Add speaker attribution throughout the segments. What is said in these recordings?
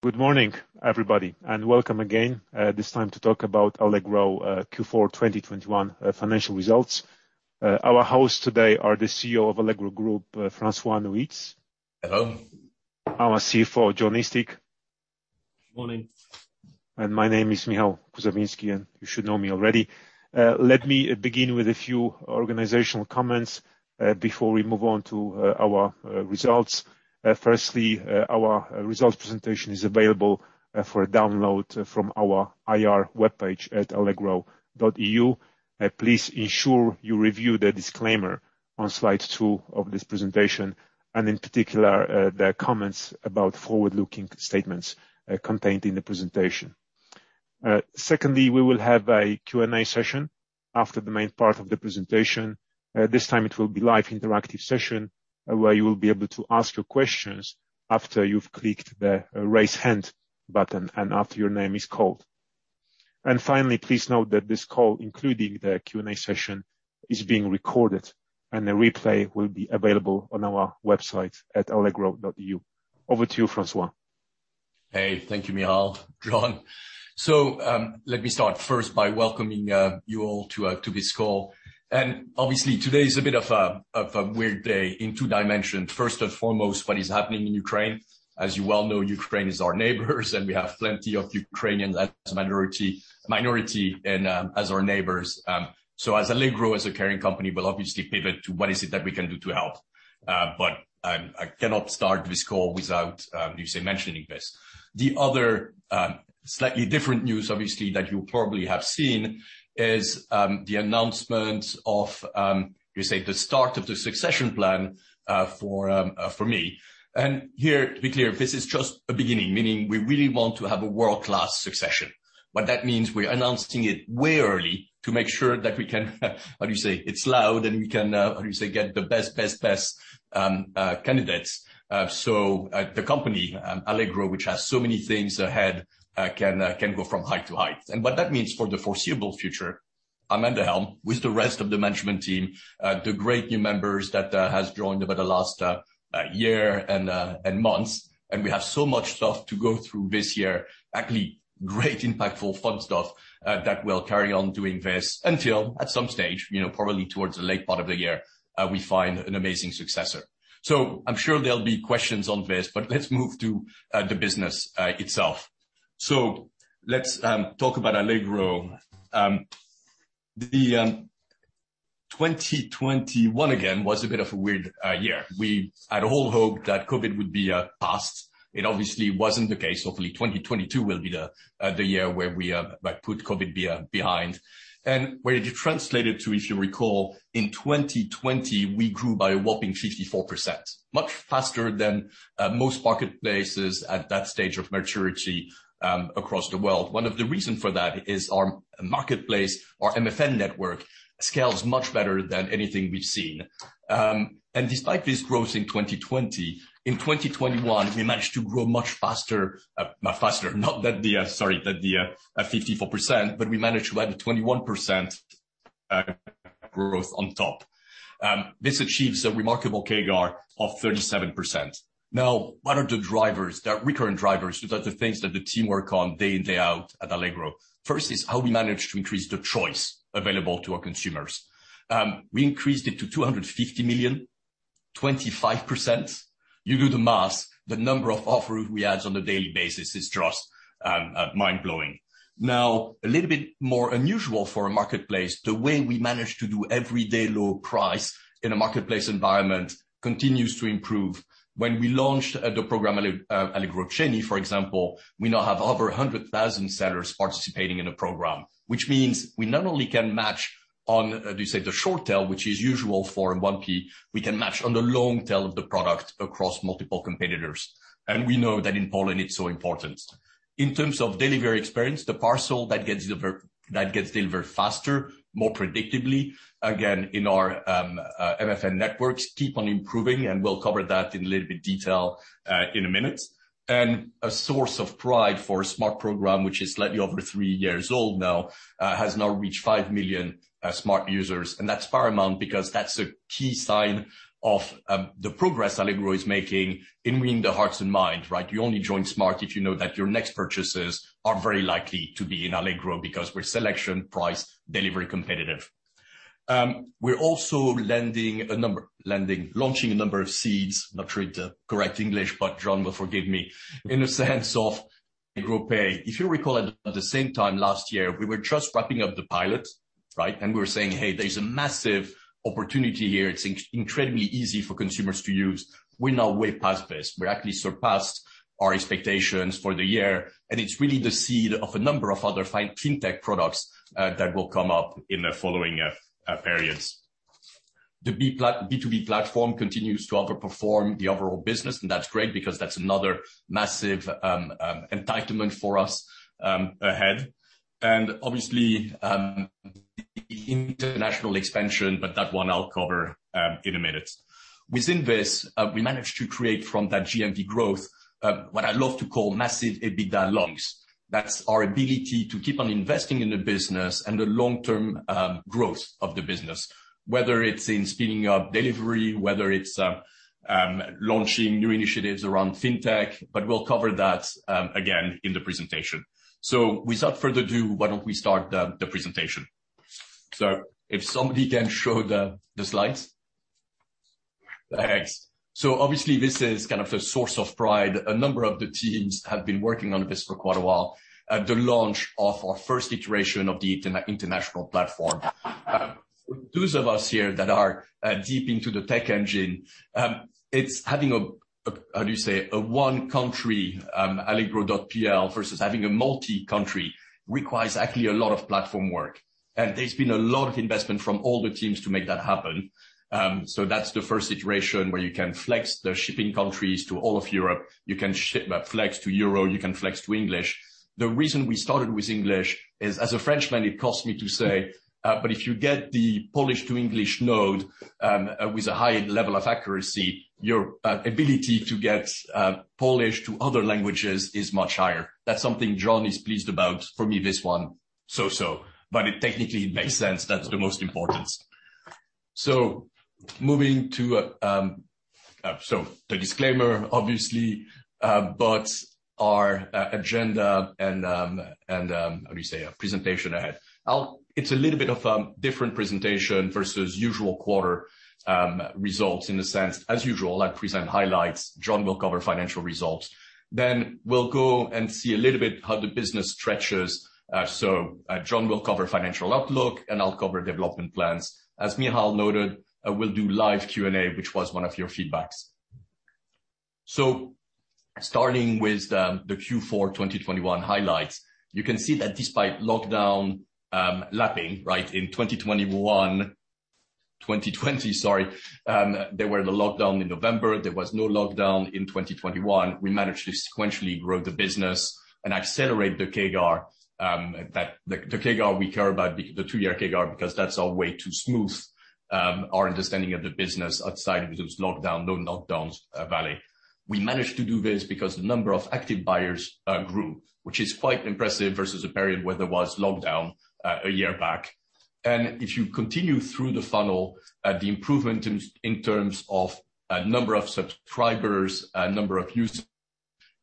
Speaker 1: Good morning, everybody, and welcome again, this time to talk about Allegro, Q4 2021 financial results. Our host today are the CEO of Allegro Group, François Nuyts.
Speaker 2: Hello.
Speaker 1: Our CFO, Jon Eastick.
Speaker 3: Morning.
Speaker 1: My name is Michał Kuzawiński, and you should know me already. Let me begin with a few organizational comments before we move on to our results. Firstly, our results presentation is available for download from our IR webpage at allegro.eu. Please ensure you review the disclaimer on slide two of this presentation, and in particular, the comments about forward-looking statements contained in the presentation. Secondly, we will have a Q&A session after the main part of the presentation. This time it will be live interactive session where you will be able to ask your questions after you've clicked the raise hand button and after your name is called. Finally, please note that this call, including the Q&A session, is being recorded and the replay will be available on our website at allegro.eu. Over to you, Francois.
Speaker 2: Hey. Thank you, Michał, Jon. Let me start first by welcoming you all to this call. Obviously, today is a bit of a weird day in two dimensions. First and foremost, what is happening in Ukraine. As you well know, Ukraine is our neighbors, and we have plenty of Ukrainians as minority and as our neighbors. As Allegro, as a caring company, we will obviously pivot to what is it that we can do to help. I cannot start this call without mentioning this. The other slightly different news obviously that you probably have seen is the announcement of the start of the succession plan for me. Here, to be clear, this is just a beginning, meaning we really want to have a world-class succession. What that means, we're announcing it way early to make sure that we can get the best candidates. The company, Allegro, which has so many things ahead, can go from height to height. What that means for the foreseeable future, I'm at the helm with the rest of the management team, the great new members that has joined over the last year and months. We have so much stuff to go through this year. Actually, great impactful, fun stuff, that will carry on doing this until at some stage, you know, probably towards the late part of the year, we find an amazing successor. I'm sure there'll be questions on this, but let's move to the business itself. Let's talk about Allegro. The 2021, again, was a bit of a weird year. We had all hoped that COVID would be past. It obviously wasn't the case. Hopefully 2022 will be the year where we like put COVID behind. When you translate it to, if you recall, in 2020, we grew by a whopping 54%, much faster than most marketplaces at that stage of maturity, across the world. One of the reason for that is our marketplace, our MFN network scales much better than anything we've seen. Despite this growth in 2020, in 2021, we managed to grow much faster. Faster, not the 54%, but we managed to add 21% growth on top. This achieves a remarkable CAGR of 37%. Now, what are the drivers? There are recurrent drivers. Those are the things that the team work on day in, day out at Allegro. First is how we manage to increase the choice available to our consumers. We increased it to 250 million, 25%. You do the math. The number of offers we add on a daily basis is just mind-blowing. Now, a little bit more unusual for a marketplace, the way we manage to do everyday low price in a marketplace environment continues to improve. When we launched the program, Allegro Ceny, for example, we now have over 100,000 sellers participating in the program, which means we not only can match on, how do you say, the short tail, which is usual for a 1P, we can match on the long tail of the product across multiple competitors. We know that in Poland, it's so important. In terms of delivery experience, the parcel that gets delivered faster, more predictably, again, in our MFN networks keep on improving, and we'll cover that in a little bit detail in a minute. A source of pride for Smart program, which is slightly over three years old now, has now reached 5 million Smart users. That's paramount because that's a key sign of the progress Allegro is making in winning the hearts and minds, right? You only join Smart if you know that your next purchases are very likely to be in Allegro because we're selection, price, delivery competitive. We're also launching a number of seeds. Not sure it's the correct English, but John will forgive me. In the sense of Allegro Pay. If you recall at the same time last year, we were just wrapping up the pilot, right? We were saying, "Hey, there's a massive opportunity here. It's incredibly easy for consumers to use." We're now way past this. We actually surpassed our expectations for the year, and it's really the seed of a number of other fintech products that will come up in the following periods. The B2B platform continues to overperform the overall business, and that's great because that's another massive entitlement for us ahead. Obviously, international expansion, but that one I'll cover in a minute. Within this, we managed to create from that GMV growth what I love to call massive EBITDA lungs. That's our ability to keep on investing in the business and the long-term growth of the business, whether it's in speeding up delivery, whether it's launching new initiatives around fintech, but we'll cover that again in the presentation. Without further ado, why don't we start the presentation? If somebody can show the slides. Thanks. Obviously this is kind of a source of pride. A number of the teams have been working on this for quite a while, the launch of our first iteration of the international platform. Those of us here that are deep into the tech engine, it's having a how do you say, a one country, allegro.pl versus having a multi-country requires actually a lot of platform work. There's been a lot of investment from all the teams to make that happen. That's the first iteration where you can flex the shipping countries to all of Europe. You can ship, flex to Euro, you can flex to English. The reason we started with English is, as a Frenchman, it costs me to say, but if you get the Polish to English node, with a high level of accuracy, your ability to get Polish to other languages is much higher. That's something John is pleased about. For me, this one. But it technically makes sense, that's the most important. Moving to the disclaimer, obviously, but our agenda and how do you say, a presentation ahead. It's a little bit of a different presentation versus usual quarter results in the sense, as usual, I present highlights, John will cover financial results. We'll go and see a little bit how the business stretches. John will cover financial outlook, and I'll cover development plans. As Michał noted, we'll do live Q&A, which was one of your feedbacks. Starting with the Q4 2021 highlights, you can see that despite lockdown lapping, right, in 2021, 2020, there were the lockdown in November. There was no lockdown in 2021. We managed to sequentially grow the business and accelerate the CAGR, the CAGR we care about, the two-year CAGR because that's our way to smooth our understanding of the business outside of those lockdowns valley. We managed to do this because the number of active buyers grew, which is quite impressive versus a period where there was lockdown a year back. If you continue through the funnel, the improvement in terms of number of subscribers, number of users,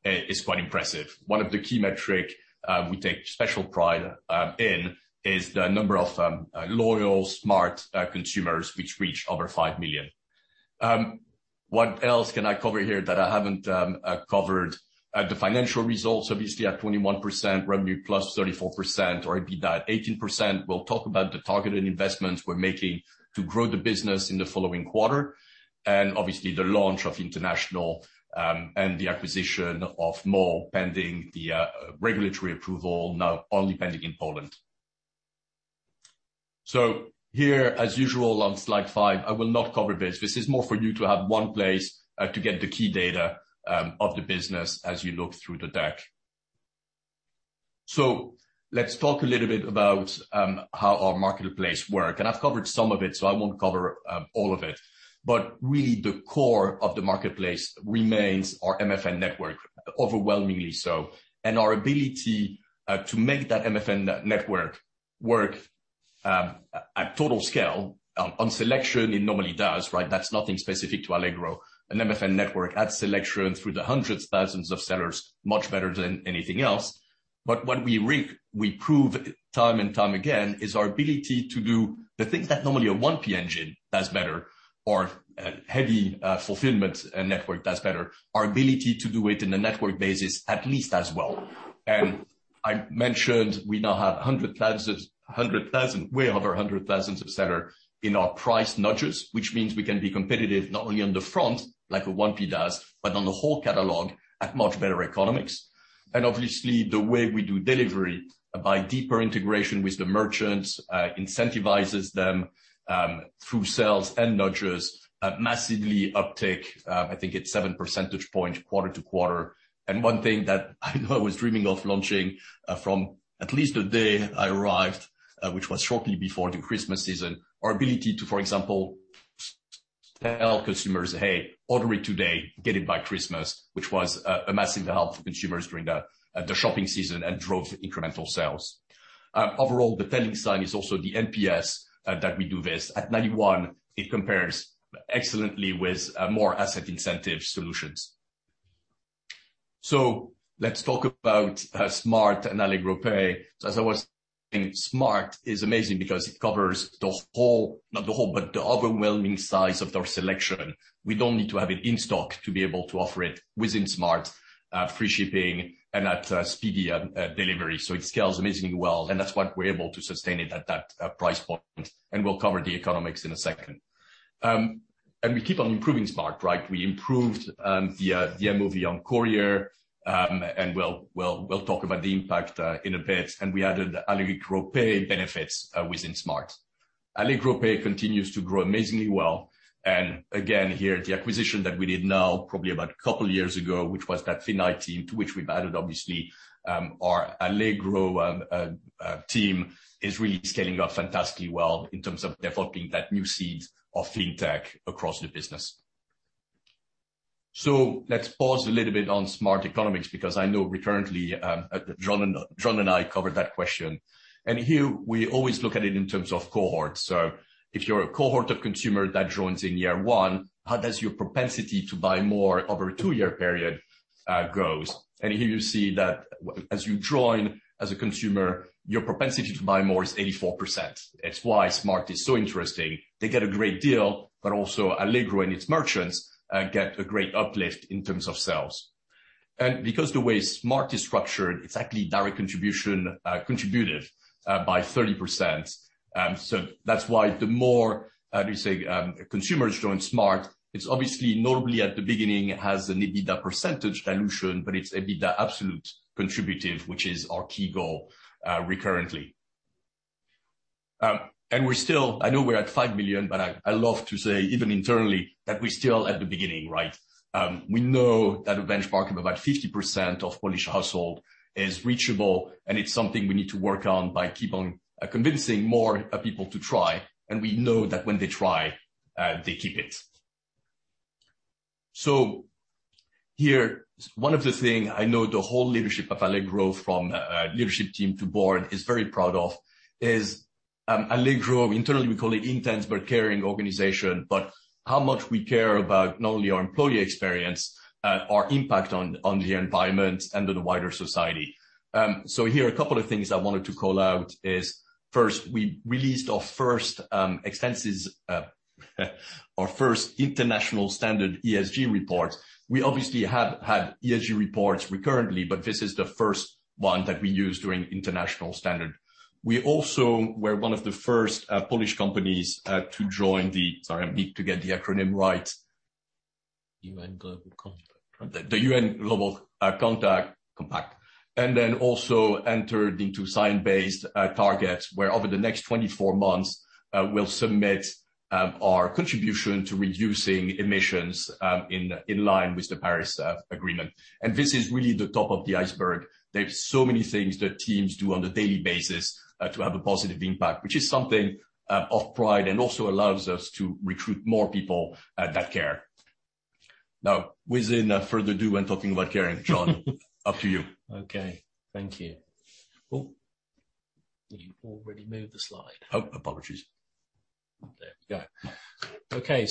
Speaker 2: is quite impressive. One of the key metric we take special pride in is the number of loyal Smart consumers which reached over 5 million. What else can I cover here that I haven't covered? The financial results, obviously at 21%, revenue plus 34%, or EBITDA 18%. We'll talk about the targeted investments we're making to grow the business in the following quarter. Obviously the launch of international and the acquisition of Mall pending the regulatory approval now only pending in Poland. Here, as usual, on slide 5, I will not cover this. This is more for you to have one place to get the key data of the business as you look through the deck. Let's talk a little bit about how our marketplace work. I've covered some of it, so I won't cover all of it. Really the core of the marketplace remains our MFN network, overwhelmingly so. Our ability to make that MFN network work at total scale on selection it normally does, right? That's nothing specific to Allegro. An MFN network adds selection through the hundreds, thousands of sellers much better than anything else. What we prove time and time again is our ability to do the things that normally a 1P engine does better or a heavy fulfillment network does better, our ability to do it in a network basis at least as well. I mentioned we now have way over 100,000 sellers in our price nudges, which means we can be competitive not only on the front like a 1P does, but on the whole catalog at much better economics. Obviously the way we do delivery by deeper integration with the merchants incentivizes them through sales and nudges, massive uptake, I think it's 7 percentage points quarter-over-quarter. One thing that I know I was dreaming of launching from at least the day I arrived, which was shortly before the Christmas season, our ability to, for example, tell consumers, "Hey, order it today, get it by Christmas," which was a massive help for consumers during the shopping season and drove incremental sales. Overall, the telling sign is also the NPS that we do this. At 91, it compares excellently with more established incentive solutions. Let's talk about Smart and Allegro Pay. As I was saying, Smart is amazing because it covers the overwhelming size of their selection. We don't need to have it in stock to be able to offer it within Smart free shipping and speedy delivery. It scales amazingly well, and that's why we're able to sustain it at that price point, and we'll cover the economics in a second. We keep on improving Smart, right? We improved the MOV on Courier, and we'll talk about the impact in a bit. We added Allegro Pay benefits within Smart. Allegro Pay continues to grow amazingly well. Again, here, the acquisition that we did now probably about a couple years ago, which was that FinAi team, to which we've added, obviously, our Allegro team, is really scaling up fantastically well in terms of developing that new suite of fintech across the business. Let's pause a little bit on Smart economics, because I know recurrently, John and I covered that question. Here we always look at it in terms of cohorts. If you're a cohort of consumers that joins in year one, how does your propensity to buy more over a two-year period grows? Here you see that as you join as a consumer, your propensity to buy more is 84%. That's why Smart is so interesting. They get a great deal, but also Allegro and its merchants get a great uplift in terms of sales. Because the way Smart is structured, it's actually direct contribution by 30%. That's why the more you say consumers join Smart, it's obviously normally at the beginning, it has an EBITDA percentage dilution, but it's EBITDA absolute contributive, which is our key goal recurrently. We're still. I know we're at 5 million, but I love to say even internally that we're still at the beginning, right? We know that a benchmark of about 50% of Polish household is reachable, and it's something we need to work on by keeping convincing more people to try. We know that when they try, they keep it. Here, one of the things I know the whole leadership of Allegro, from leadership team to board, is very proud of is Allegro. Internally, we call it intense but caring organization, but how much we care about not only our employee experience, our impact on the environment and the wider society. Here are a couple of things I wanted to call out is, first, we released our first extensive international standard ESG report. We obviously have had ESG reports recurrently, but this is the first one that we used an international standard. We also were one of the first Polish companies to join the.
Speaker 3: UN Global Compact.
Speaker 2: The UN Global Compact, and then also entered into science-based targets, where over the next 24 months, we'll submit our contribution to reducing emissions, in line with the Paris Agreement. This is really the top of the iceberg. There's so many things that teams do on a daily basis to have a positive impact, which is something of pride and also allows us to recruit more people that care. Now, without further ado, when talking about caring, John, up to you.
Speaker 3: Okay. Thank you. Oh, you already moved the slide.
Speaker 2: Oh, apologies. There we go. Okay.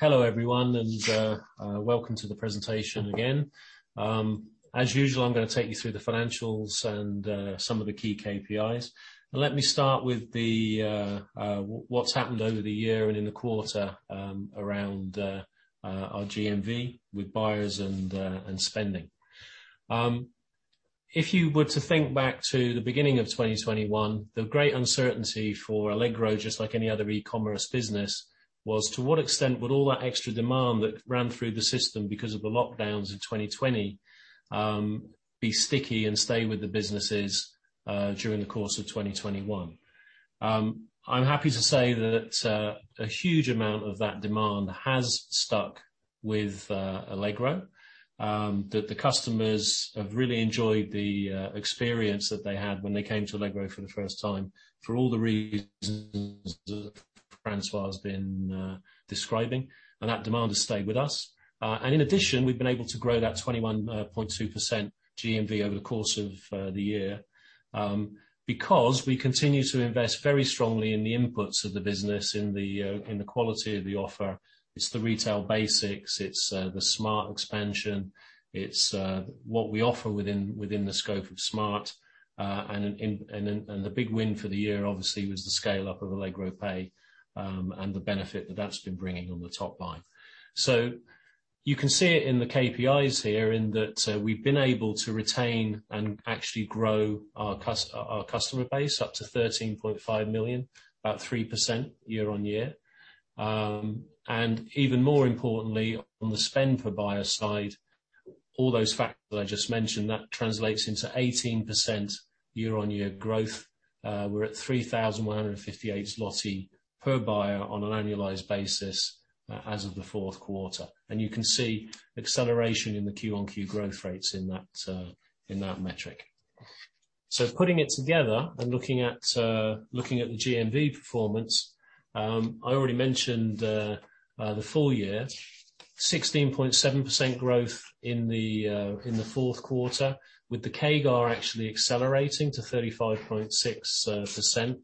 Speaker 2: Hello, everyone, and welcome to the presentation again. As usual, I'm gonna take you through the financials and some of the key KPIs. Let me start with what's happened over the year and in the quarter around our GMV with buyers and spending. If you were to think back to the beginning of 2021, the great uncertainty for Allegro, just like any other e-commerce business, was to what extent would all that extra demand that ran through the system because of the lockdowns in 2020 be sticky and stay with the businesses during the course of 2021. I'm happy to say that a huge amount of that demand has stuck with Allegro, that the customers have really enjoyed the experience that they had when they came to Allegro for the first time, for all the reasons Francois has been describing. That demand has stayed with us. In addition, we've been able to grow that 21.2% GMV over the course of the year, because we continue to invest very strongly in the inputs of the business, in the quality of the offer. It's the retail basics, the Smart! expansion, it's what we offer within the scope of Smart!, and the big win for the year, obviously, was the scale up of Allegro Pay, and the benefit that that's been bringing on the top line. You can see it in the KPIs here in that we've been able to retain and actually grow our customer base up to 13.5 million, about 3% year-on-year. Even more importantly, on the spend per buyer side, all those factors that I just mentioned, that translates into 18% year-on-year growth. We're at 3,158 zloty per buyer on an annualized basis as of the fourth quarter. You can see acceleration in the Q-on-Q growth rates in that metric. Putting it together and looking at the GMV performance, I already mentioned the full year 16.7% growth in the fourth quarter, with the CAGR actually accelerating to 35.6%.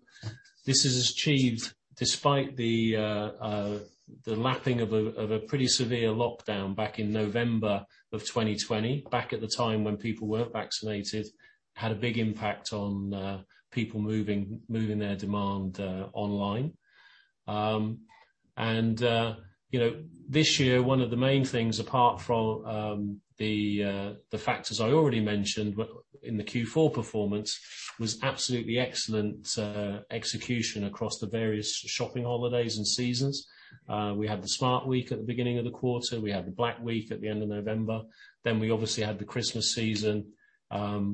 Speaker 2: This is achieved despite the lapping of a pretty severe lockdown back in November of 2020. Back at the time when people weren't vaccinated, it had a big impact on people moving their demand online. You know, this year, one of the main things, apart from the factors I already mentioned in the Q4 performance, was absolutely excellent execution across the various shopping holidays and seasons. We had the Smart! Week at the beginning of the quarter. We had the Black Week at the end of November. We obviously had the Christmas season,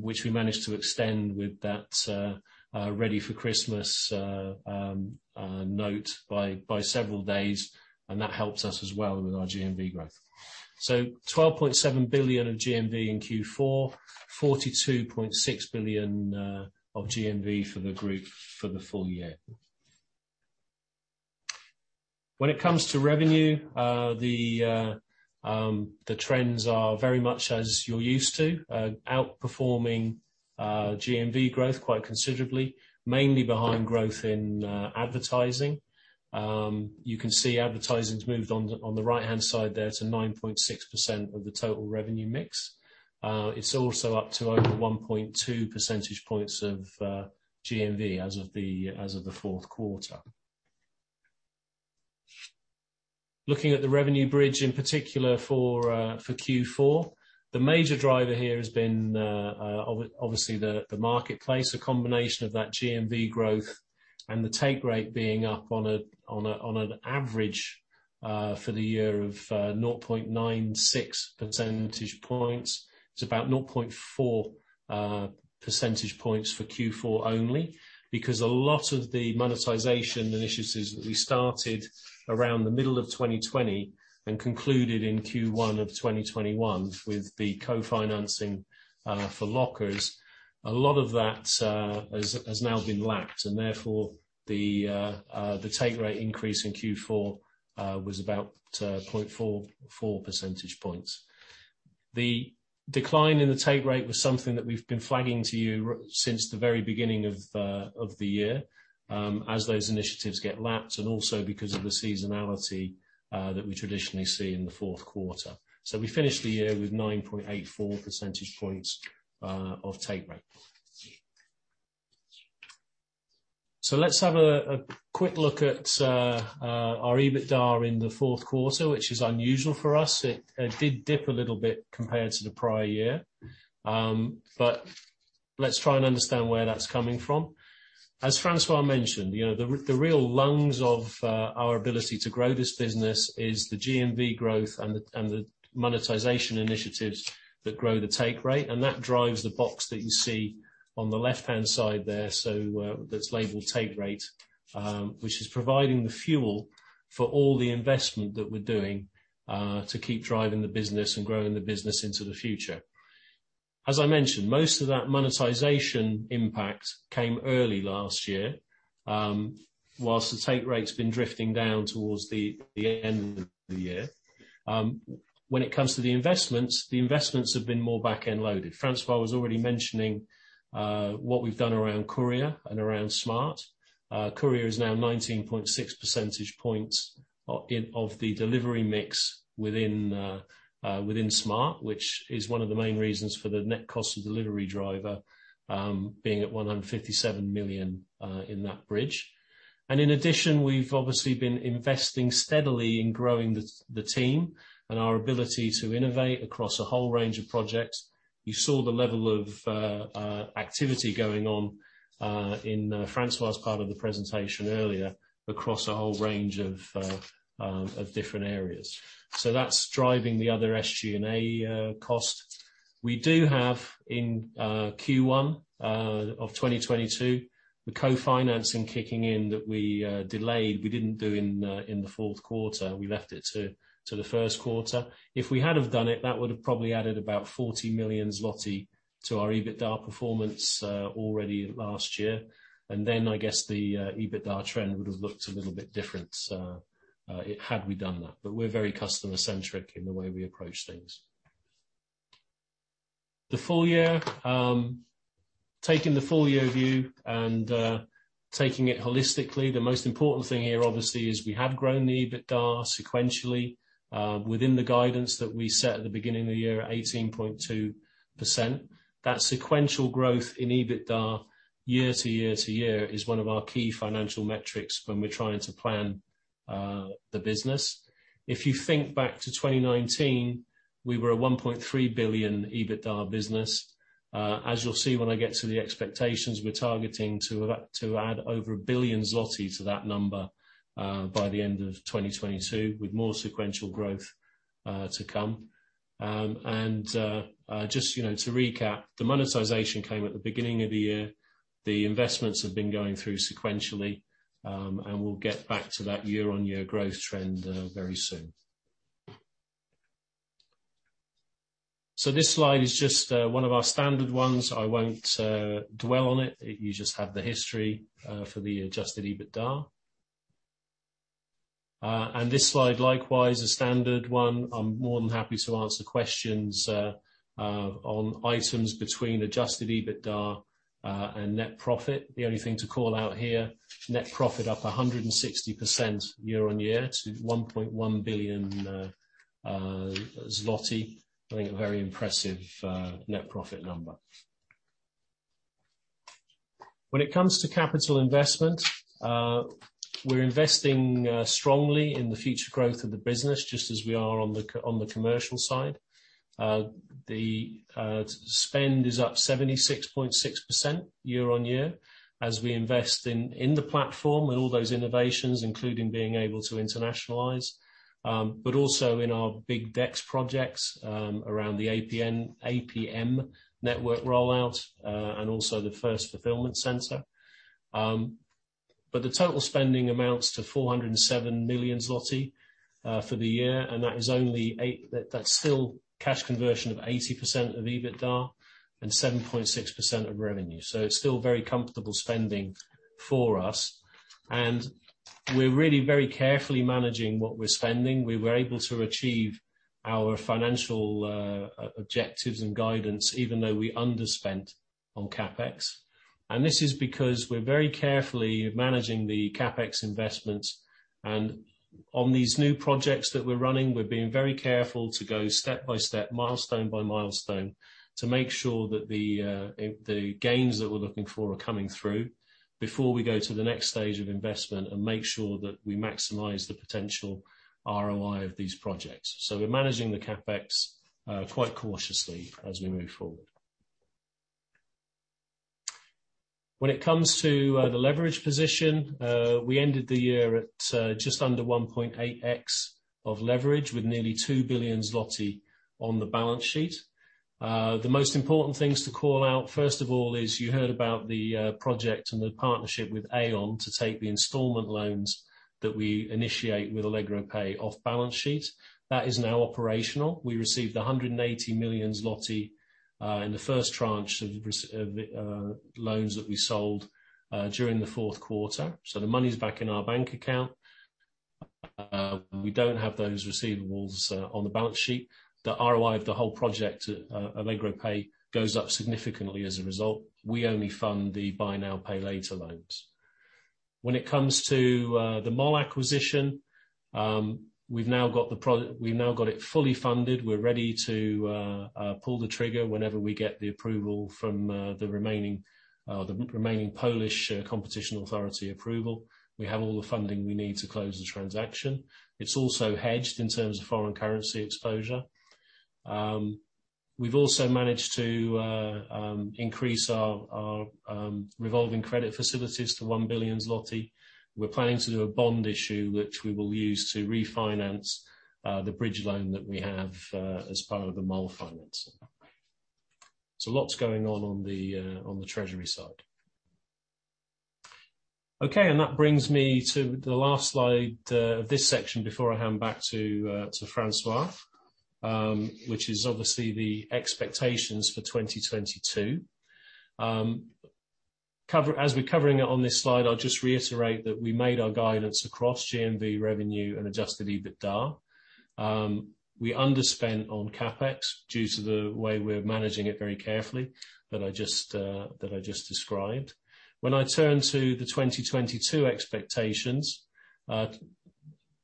Speaker 2: which we managed to extend with that ready for Christmas by several days, and that helps us as well with our GMV growth. 12.7 billion of GMV in Q4, 42.6 billion of GMV for the group for the full year. When it comes to revenue, the trends are very much as you're used to, outperforming GMV growth quite considerably, mainly behind growth in advertising. You can see advertising's moved on the right-hand side there to 9.6% of the total revenue mix. It's also up to over 1.2 percentage points of GMV as of the fourth quarter. Looking at the revenue bridge, in particular for Q4, the major driver here has been obviously the marketplace. A combination of that GMV growth and the take rate being up on an average for the year of 0.96 percentage points. It's about 0.4 percentage points for Q4 only because a lot of the monetization initiatives that we started around the middle of 2020 and concluded in Q1 of 2021 with the co-financing for lockers. A lot of that has now been lapped, and therefore the take rate increase in Q4 was about 0.44 percentage points. The decline in the take rate was something that we've been flagging to you since the very beginning of the year, as those initiatives get lapped, and also because of the seasonality that we traditionally see in the fourth quarter. We finished the year with 9.84 percentage points of take rate. Let's have a quick look at our EBITDA in the fourth quarter, which is unusual for us. It did dip a little bit compared to the prior year. Let's try and understand where that's coming from. As Francois mentioned, you know, the real lungs of our ability to grow this business is the GMV growth and the monetization initiatives that grow the take rate, and that drives the box that you see on the left-hand side there, so that's labeled take rate. Which is providing the fuel for all the investment that we're doing to keep driving the business and growing the business into the future. As I mentioned, most of that monetization impact came early last year, while the take rate's been drifting down towards the end of the year. When it comes to the investments, the investments have been more back-end loaded. Francois was already mentioning what we've done around Courier and around Smart. Courier is now 19.6 percentage points of the delivery mix within Smart, which is one of the main reasons for the net cost of delivery driver being at 157 million in that bridge. In addition, we've obviously been investing steadily in growing the team and our ability to innovate across a whole range of projects. You saw the level of activity going on in Francois' part of the presentation earlier across a whole range of different areas. That's driving the other SG&A cost. We do have in Q1 of 2022 the co-financing kicking in that we delayed. We didn't do in the fourth quarter. We left it to the first quarter. If we had have done it, that would have probably added about 40 million zloty to our EBITDA performance already last year. Then I guess the EBITDA trend would have looked a little bit different, so had we done that. We're very customer-centric in the way we approach things. Taking the full-year view and taking it holistically, the most important thing here obviously is we have grown the EBITDA sequentially within the guidance that we set at the beginning of the year, at 18.2%. That sequential growth in EBITDA year-over-year is one of our key financial metrics when we're trying to plan the business. If you think back to 2019, we were a 1.3 billion EBITDA business. As you'll see when I get to the expectations, we're targeting to add over 1 billion zloty to that number by the end of 2022, with more sequential growth to come. Just, you know, to recap, the monetization came at the beginning of the year. The investments have been going through sequentially, and we'll get back to that year-on-year growth trend very soon. This slide is just one of our standard ones. I won't dwell on it. You just have the history for the adjusted EBITDA. This slide, likewise, is a standard one. I'm more than happy to answer questions on items between adjusted EBITDA and net profit. The only thing to call out here, net profit up 160% year-on-year to 1.1 billion zloty. I think a very impressive net profit number. When it comes to capital investment, we're investing strongly in the future growth of the business, just as we are on the commercial side. The spend is up 76.6% year-on-year as we invest in the platform with all those innovations, including being able to internationalize, but also in our big DEX projects around the APM network rollout, and also the first fulfillment center. The total spending amounts to 407 million zloty for the year, and that's still cash conversion of 80% of EBITDA and 7.6% of revenue. It's still very comfortable spending for us. We're really very carefully managing what we're spending. We were able to achieve our financial objectives and guidance, even though we underspent on CapEx. This is because we're very carefully managing the CapEx investments. On these new projects that we're running, we're being very careful to go step-by-step, milestone by milestone, to make sure that the gains that we're looking for are coming through before we go to the next stage of investment and make sure that we maximize the potential ROI of these projects. We're managing the CapEx quite cautiously as we move forward. When it comes to the leverage position, we ended the year at just under 1.8x leverage, with nearly 2 billion zloty on the balance sheet. The most important things to call out, first of all, is you heard about the project and the partnership with Aion to take the installment loans that we initiate with Allegro Pay off balance sheet. That is now operational. We received 180 million zloty in the first tranche of loans that we sold during the fourth quarter. The money's back in our bank account. We don't have those receivables on the balance sheet. The ROI of the whole project, Allegro Pay, goes up significantly as a result. We only fund the buy now, pay later loans. When it comes to the Mall acquisition, we've now got it fully funded. We're ready to pull the trigger whenever we get the approval from the remaining Polish Competition Authority approval. We have all the funding we need to close the transaction. It's also hedged in terms of foreign currency exposure. We've also managed to increase our revolving credit facilities to 1 billion zloty. We're planning to do a bond issue, which we will use to refinance the bridge loan that we have as part of the Mall financing. Lots going on on the treasury side. Okay, that brings me to the last slide of this section before I hand back to François, which is obviously the expectations for 2022. As we're covering it on this slide, I'll just reiterate that we made our guidance across GMV, revenue and adjusted EBITDA. We underspent on CapEx due to the way we're managing it very carefully, that I just described. When I turn to the 2022 expectations, the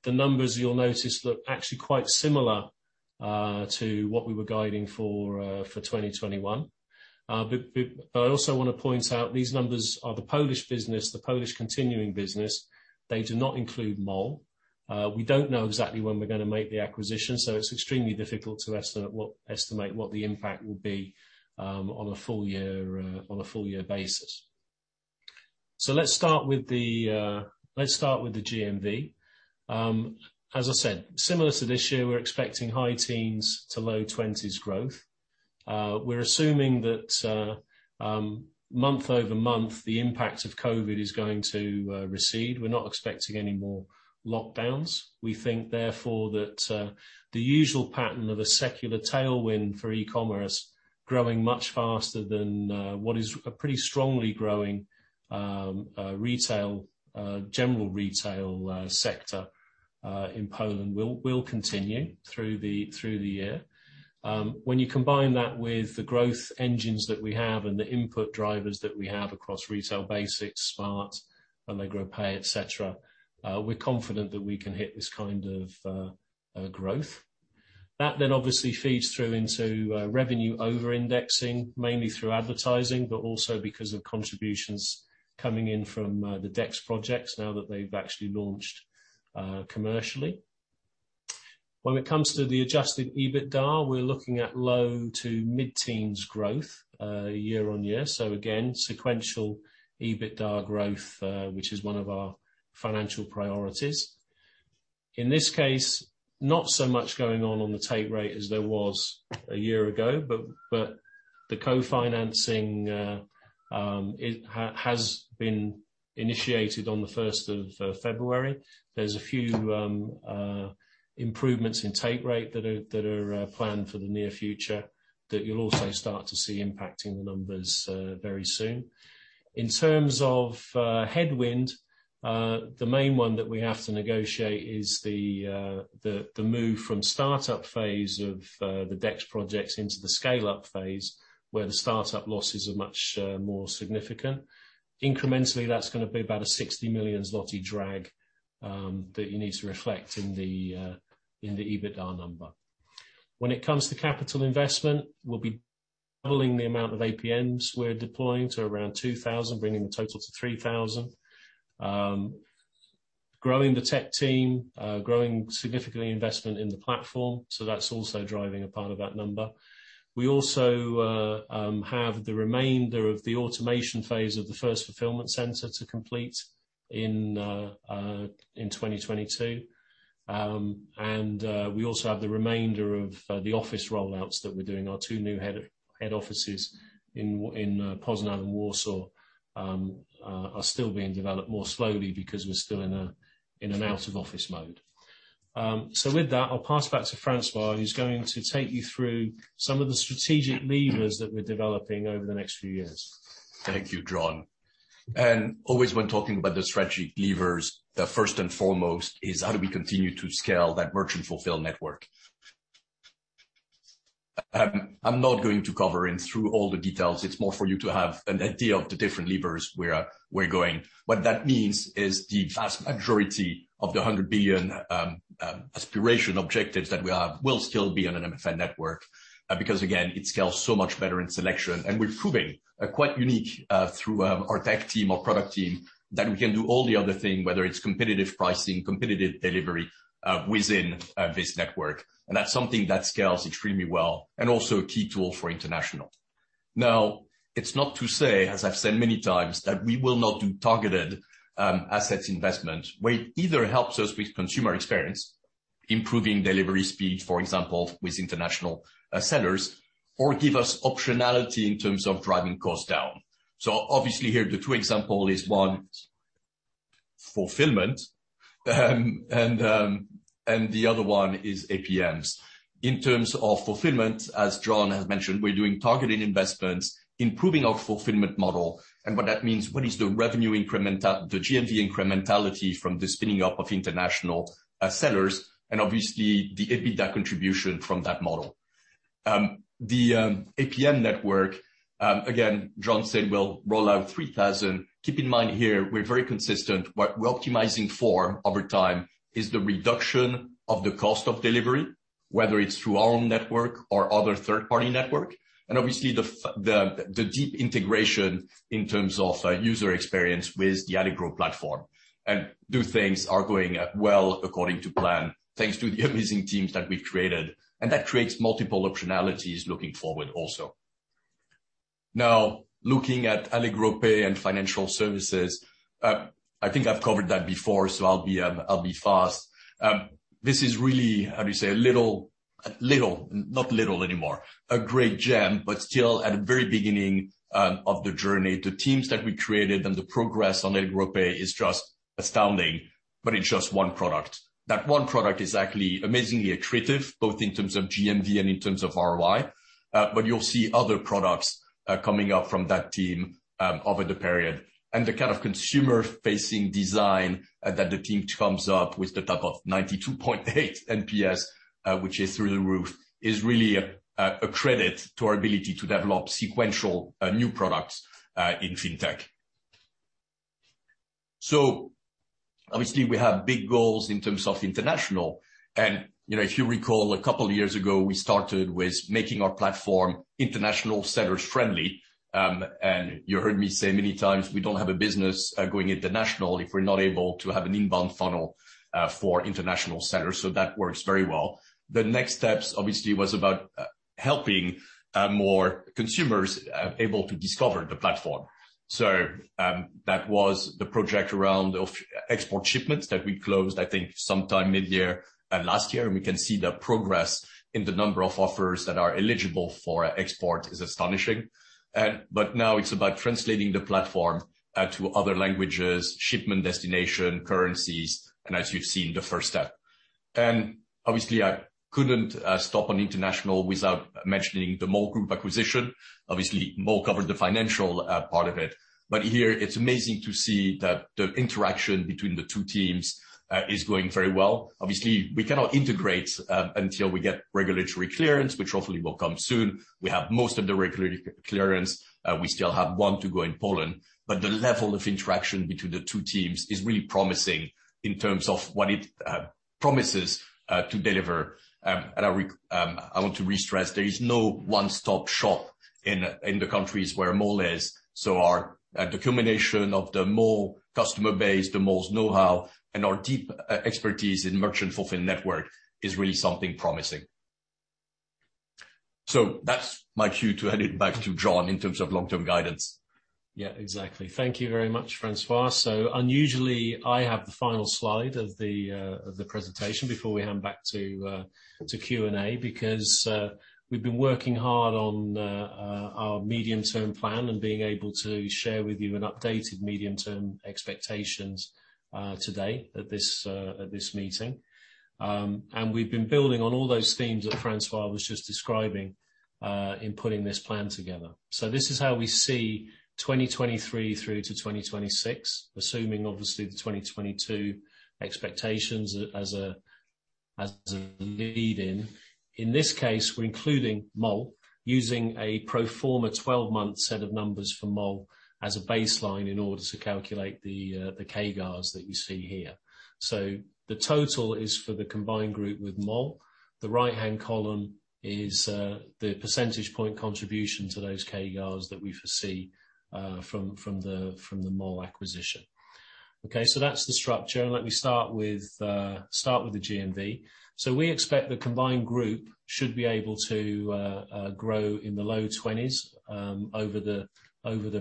Speaker 2: numbers you'll notice look actually quite similar to what we were guiding for 2021. I also wanna point out, these numbers are the Polish business, the Polish continuing business. They do not include Mall. We don't know exactly when we're gonna make the acquisition, so it's extremely difficult to estimate what the impact will be on a full year, on a full year basis. Let's start with the GMV. As I said, similar to this year, we're expecting high-teens to low-20s growth. We're assuming that, month-over-month, the impact of COVID is going to recede. We're not expecting any more lockdowns. We think, therefore, that the usual pattern of a secular tailwind for e-commerce growing much faster than what is a pretty strongly growing general retail sector in Poland will continue through the year. When you combine that with the growth engines that we have and the input drivers that we have across retail basics, Smart, Allegro Pay, et cetera, we're confident that we can hit this kind of growth. That then obviously feeds through into revenue over-indexing, mainly through advertising, but also because of contributions coming in from the DEX projects now that they've actually launched commercially. When it comes to the adjusted EBITDA, we're looking at low- to mid-teens% growth year-over-year. Again, sequential EBITDA growth, which is one of our financial priorities. In this case, not so much going on on the take rate as there was a year ago, but the co-financing it has been initiated on the first of February. There's a few improvements in take rate that are planned for the near future that you'll also start to see impacting the numbers very soon. In terms of headwind, the main one that we have to negotiate is the move from start-up phase of the DEX projects into the scale-up phase, where the start-up losses are much more significant. Incrementally, that's gonna be about 60 million zloty drag that you need to reflect in the EBITDA number. When it comes to capital investment, we'll be doubling the amount of APMs we're deploying to around 2,000, bringing the total to 3,000. Growing the tech team, growing significantly investment in the platform, so that's also driving a part of that number. We also have the remainder of the automation phase of the first fulfillment center to complete in 2022. We also have the remainder of the office rollouts that we're doing. Our two new head offices in Poznań and Warsaw are still being developed more slowly because we're still in an out of office mode. With that, I'll pass back to Francois, who's going to take you through some of the strategic levers that we're developing over the next few years. Thank you, John. Always when talking about the strategic levers, the first and foremost is how do we continue to scale that merchant fulfillment network. I'm not going to go through all the details. It's more for you to have an idea of the different levers where we're going. What that means is the vast majority of the 100 billion aspiration objectives that we have will still be on an MFN network, because again, it scales so much better in selection. We're providing quite a unique through our tech team, our product team, that we can do all the other things, whether it's competitive pricing, competitive delivery, within this network. That's something that scales extremely well and also a key tool for international. Now, it's not to say, as I've said many times, that we will not do targeted, assets investment, where it either helps us with consumer experience, improving delivery speed, for example, with international, sellers, or give us optionality in terms of driving costs down. Obviously here, the two example is one, fulfillment, and the other one is APMs. In terms of fulfillment, as John has mentioned, we're doing targeted investments, improving our fulfillment model and what that means, what is the revenue increment, the GMV incrementality from the spinning up of international, sellers and obviously the EBITDA contribution from that model. The APM network, again, John said we'll roll out 3,000. Keep in mind here, we're very consistent. What we're optimizing for over time is the reduction of the cost of delivery, whether it's through our own network or other third-party network, and obviously the deep integration in terms of user experience with the Allegro platform. How things are going well according to plan, thanks to the amazing teams that we've created. That creates multiple optionalities looking forward also. Now, looking at Allegro Pay and Financial Services, I think I've covered that before, so I'll be fast. This is really a little, not little anymore, a great gem, but still at the very beginning of the journey. The teams that we created and the progress on Allegro Pay is just astounding, but it's just one product. That one product is actually amazingly accretive, both in terms of GMV and in terms of ROI. You'll see other products coming up from that team over the period. The kind of consumer-facing design that the team comes up with, the type of 92.8 NPS, which is through the roof, is really a credit to our ability to develop sequential new products in fintech. Obviously we have big goals in terms of international. You know, if you recall, a couple of years ago, we started with making our platform international sellers friendly. You heard me say many times, we don't have a business going international if we're not able to have an inbound funnel for international sellers. That works very well. The next steps obviously was about helping more consumers able to discover the platform. That was the project around of export shipments that we closed, I think sometime mid-year last year. We can see the progress in the number of offers that are eligible for export is astonishing. Now it's about translating the platform to other languages, shipment destination, currencies, and as you've seen the first step. Obviously, I couldn't stop on international without mentioning the Mall Group acquisition. Obviously, Mall covered the financial part of it. Here it's amazing to see that the interaction between the two teams is going very well. Obviously, we cannot integrate until we get regulatory clearance, which hopefully will come soon. We have most of the regulatory clearance. We still have one to go in Poland. The level of interaction between the two teams is really promising in terms of what it promises to deliver. I want to restress, there is no one-stop shop in the countries where Mall is. The combination of the Mall customer base, the Mall's know-how, and our deep expertise in merchant fulfillment network is really something promising. That's my cue to hand it back to John in terms of long-term guidance.
Speaker 3: Yeah, exactly. Thank you very much, Francois. Unusually, I have the final slide of the presentation before we hand back to Q&A, because we've been working hard on our medium-term plan and being able to share with you an updated medium-term expectations today at this meeting. We've been building on all those themes that Francois was just describing in putting this plan together. This is how we see 2023 through to 2026, assuming obviously the 2022 expectations as a lead-in. In this case, we're including Mall using a pro forma 12-month set of numbers for Mall as a baseline in order to calculate the CAGRs that you see here. The total is for the combined group with Mall. The right-hand column is the percentage point contribution to those CAGRs that we foresee from the Mall acquisition. Okay, so that's the structure. Let me start with the GMV. We expect the combined group should be able to grow in the low 20s over the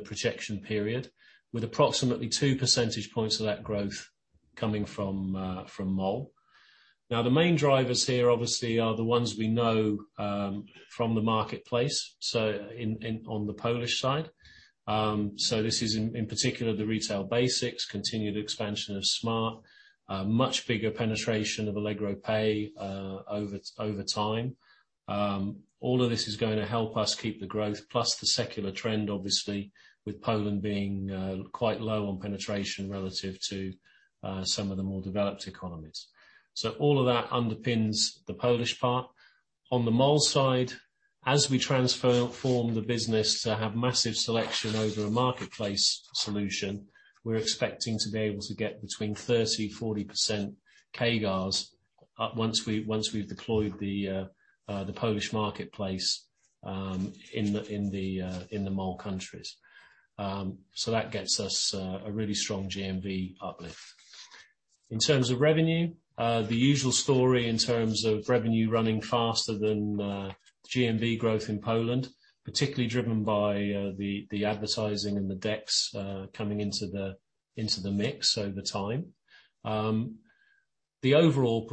Speaker 3: projection period, with approximately two percentage points of that growth coming from Mall. Now, the main drivers here obviously are the ones we know from the marketplace on the Polish side. This is in particular the retail basics, continued expansion of Smart, much bigger penetration of Allegro Pay over time. All of this is going to help us keep the growth, plus the secular trend, obviously, with Poland being quite low on penetration relative to some of the more developed economies. All of that underpins the Polish part. On the Mall side. As we transform the business to have massive selection over a marketplace solution, we're expecting to be able to get between 30%-40% CAGRs once we've deployed the Polish marketplace in the mall countries. That gets us a really strong GMV uplift. In terms of revenue, the usual story in terms of revenue running faster than GMV growth in Poland, particularly driven by the advertising and the DEX coming into the mix over time. Revenue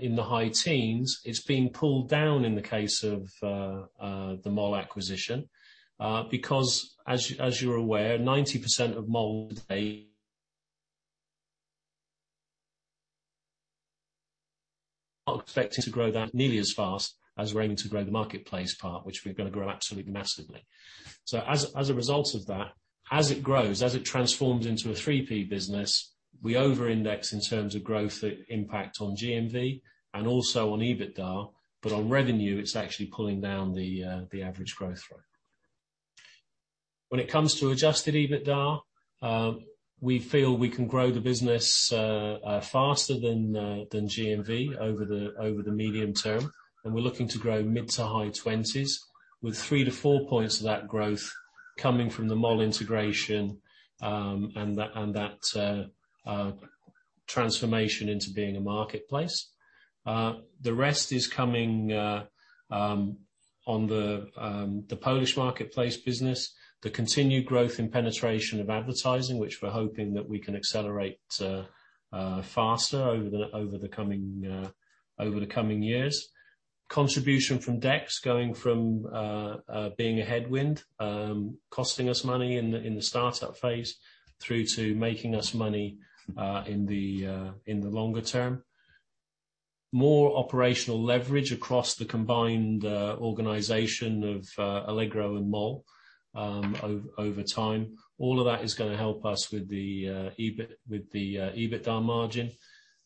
Speaker 3: in the high teens%, it's being pulled down in the case of the Mall acquisition, because as you're aware, 90% of Mall today are expecting to grow that nearly as fast as we're aiming to grow the marketplace part, which we're gonna grow absolutely massively. As a result of that, as it grows, as it transforms into a 3P business, we over-index in terms of growth impact on GMV and also on EBITDA, but on revenue, it's actually pulling down the average growth rate. When it comes to adjusted EBITDA, we feel we can grow the business faster than GMV over the medium term, and we're looking to grow mid- to high 20s%, with 3-4 points of that growth coming from the Mall integration and that transformation into being a marketplace. The rest is coming on the Polish marketplace business. The continued growth and penetration of advertising, which we're hoping that we can accelerate faster over the coming years. Contribution from DEX going from being a headwind, costing us money in the start-up phase, through to making us money in the longer term. More operational leverage across the combined organization of Allegro and Mall over time. All of that is gonna help us with the EBIT, with the EBITDA margin.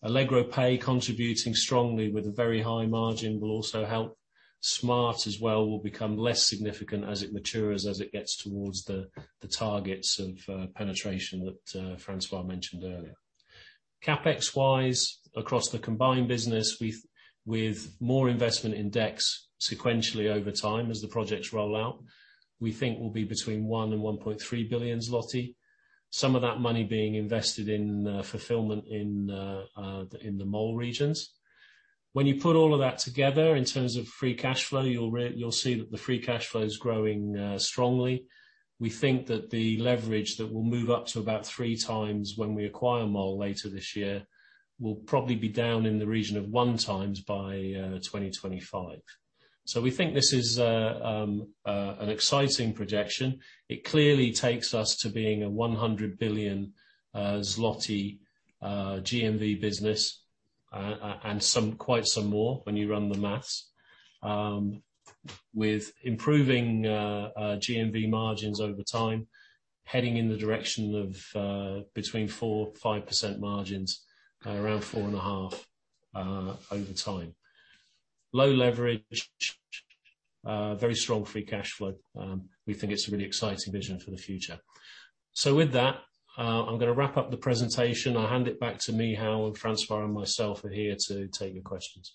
Speaker 3: Allegro Pay contributing strongly with a very high margin will also help. Smart as well will become less significant as it matures, as it gets towards the targets of penetration that Francois mentioned earlier. CapEx-wise, across the combined business, we've more investment in DEX sequentially over time as the projects roll out, we think will be between 1 billion and 1.3 billion zloty. Some of that money being invested in fulfillment in the Mall regions. When you put all of that together in terms of free cash flow, you'll see that the free cash flow is growing strongly. We think that the leverage that will move up to about 3x when we acquire Mall later this year, will probably be down in the region of 1x by 2025. We think this is an exciting projection. It clearly takes us to being a 100 billion zloty GMV business, and some, quite some more when you run the math. With improving GMV margins over time, heading in the direction of between 4%-5% margins, around 4.5% over time. Low leverage, very strong free cash flow. We think it's a really exciting vision for the future. With that, I'm gonna wrap up the presentation. I'll hand it back to Michał, and Francois and myself are here to take your questions.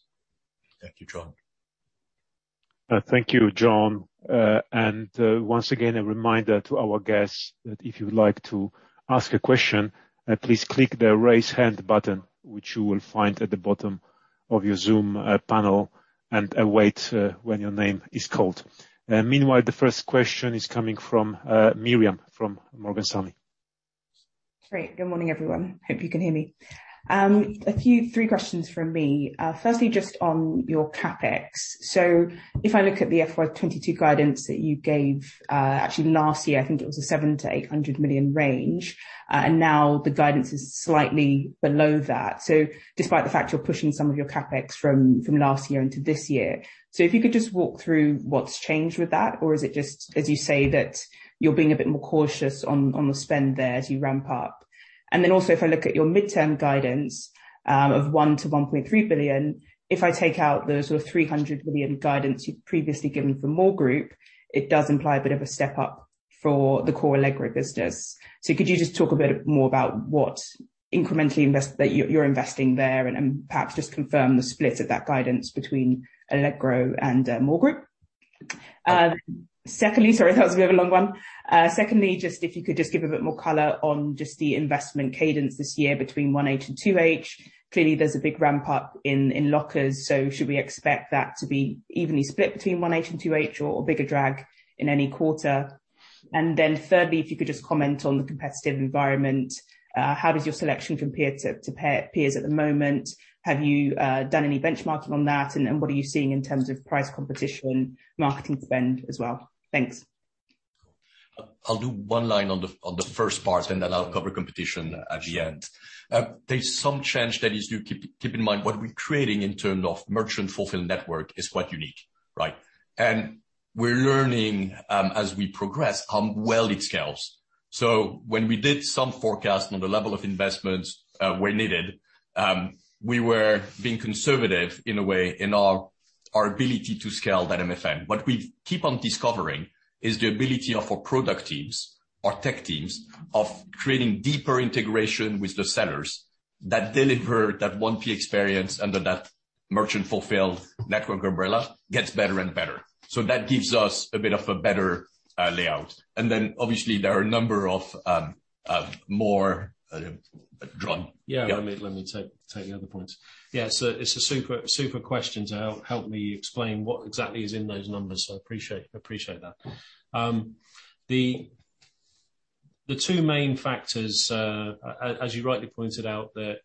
Speaker 2: Thank you, John.
Speaker 1: Thank you, John. Once again, a reminder to our guests that if you would like to ask a question, please click the Raise Hand button, which you will find at the bottom of your Zoom panel, and await when your name is called. Meanwhile, the first question is coming from Miriam from Morgan Stanley.
Speaker 4: Great. Good morning, everyone. Hope you can hear me. Three questions from me. Firstly, just on your CapEx. If I look at the FY 2022 guidance that you gave, actually last year, I think it was a 700 million-800 million range, and now the guidance is slightly below that, despite the fact you're pushing some of your CapEx from last year into this year, if you could just walk through what's changed with that, or is it just, as you say, that you're being a bit more cautious on the spend there as you ramp up. If I look at your mid-term guidance of 1 billion-1.3 billion, if I take out the sort of 300 million guidance you'd previously given for Mall Group, it does imply a bit of a step up for the core Allegro business. Could you just talk a bit more about what you're investing there and perhaps just confirm the split of that guidance between Allegro and Mall Group? Secondly, sorry, that was a bit of a long one. Secondly, just if you could just give a bit more color on just the investment cadence this year between 1H and 2H. Clearly, there's a big ramp up in lockers, so should we expect that to be evenly split between 1H and 2H or a bigger drag in any quarter? Thirdly, if you could just comment on the competitive environment, how does your selection compare to peers at the moment? Have you done any benchmarking on that? And what are you seeing in terms of price competition, marketing spend as well? Thanks.
Speaker 2: I'll do one line on the first part, and then I'll cover competition at the end. There's some change that is to keep in mind what we're creating in terms of merchant fulfilled network is quite unique, right? We're learning as we progress on scaling scales. When we did some forecast on the level of investments where needed, we were being conservative in a way in our ability to scale that MFN. What we keep on discovering is the ability of our product teams, our tech teams of creating deeper integration with the sellers that deliver that 1P experience under that merchant fulfilled network umbrella gets better and better. That gives us a bit of a better outlook. Obviously, there are a number of more drawn.
Speaker 3: Yeah. Let me take the other points. Yeah. So it's a super question to help me explain what exactly is in those numbers. So I appreciate that. The two main factors, as you rightly pointed out, that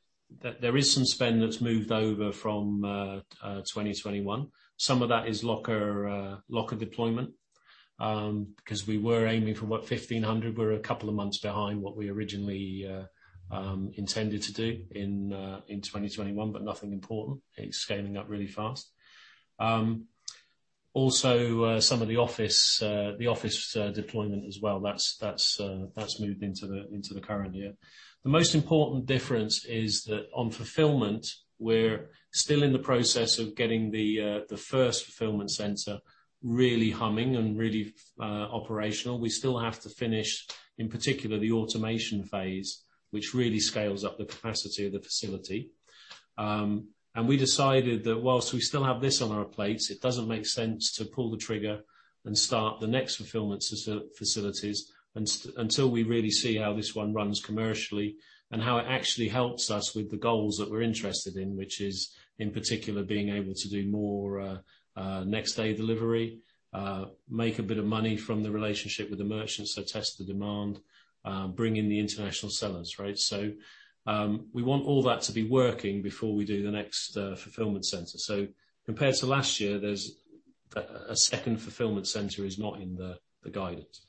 Speaker 3: there is some spend that's moved over from 2021. Some of that is locker deployment, because we were aiming for about 1,500. We're a couple of months behind what we originally intended to do in 2021, but nothing important. It's scaling up really fast. Also, some of the office deployment as well, that's moved into the current year. The most important difference is that on fulfillment, we're still in the process of getting the first fulfillment center really humming and really operational. We still have to finish, in particular, the automation phase, which really scales up the capacity of the facility. We decided that while we still have this on our plates, it doesn't make sense to pull the trigger and start the next fulfillment facilities until we really see how this one runs commercially and how it actually helps us with the goals that we're interested in, which is, in particular, being able to do more next day delivery, make a bit of money from the relationship with the merchants to test the demand, bring in the international sellers, right? We want all that to be working before we do the next fulfillment center. Compared to last year, there's a second fulfillment center that is not in the guidance.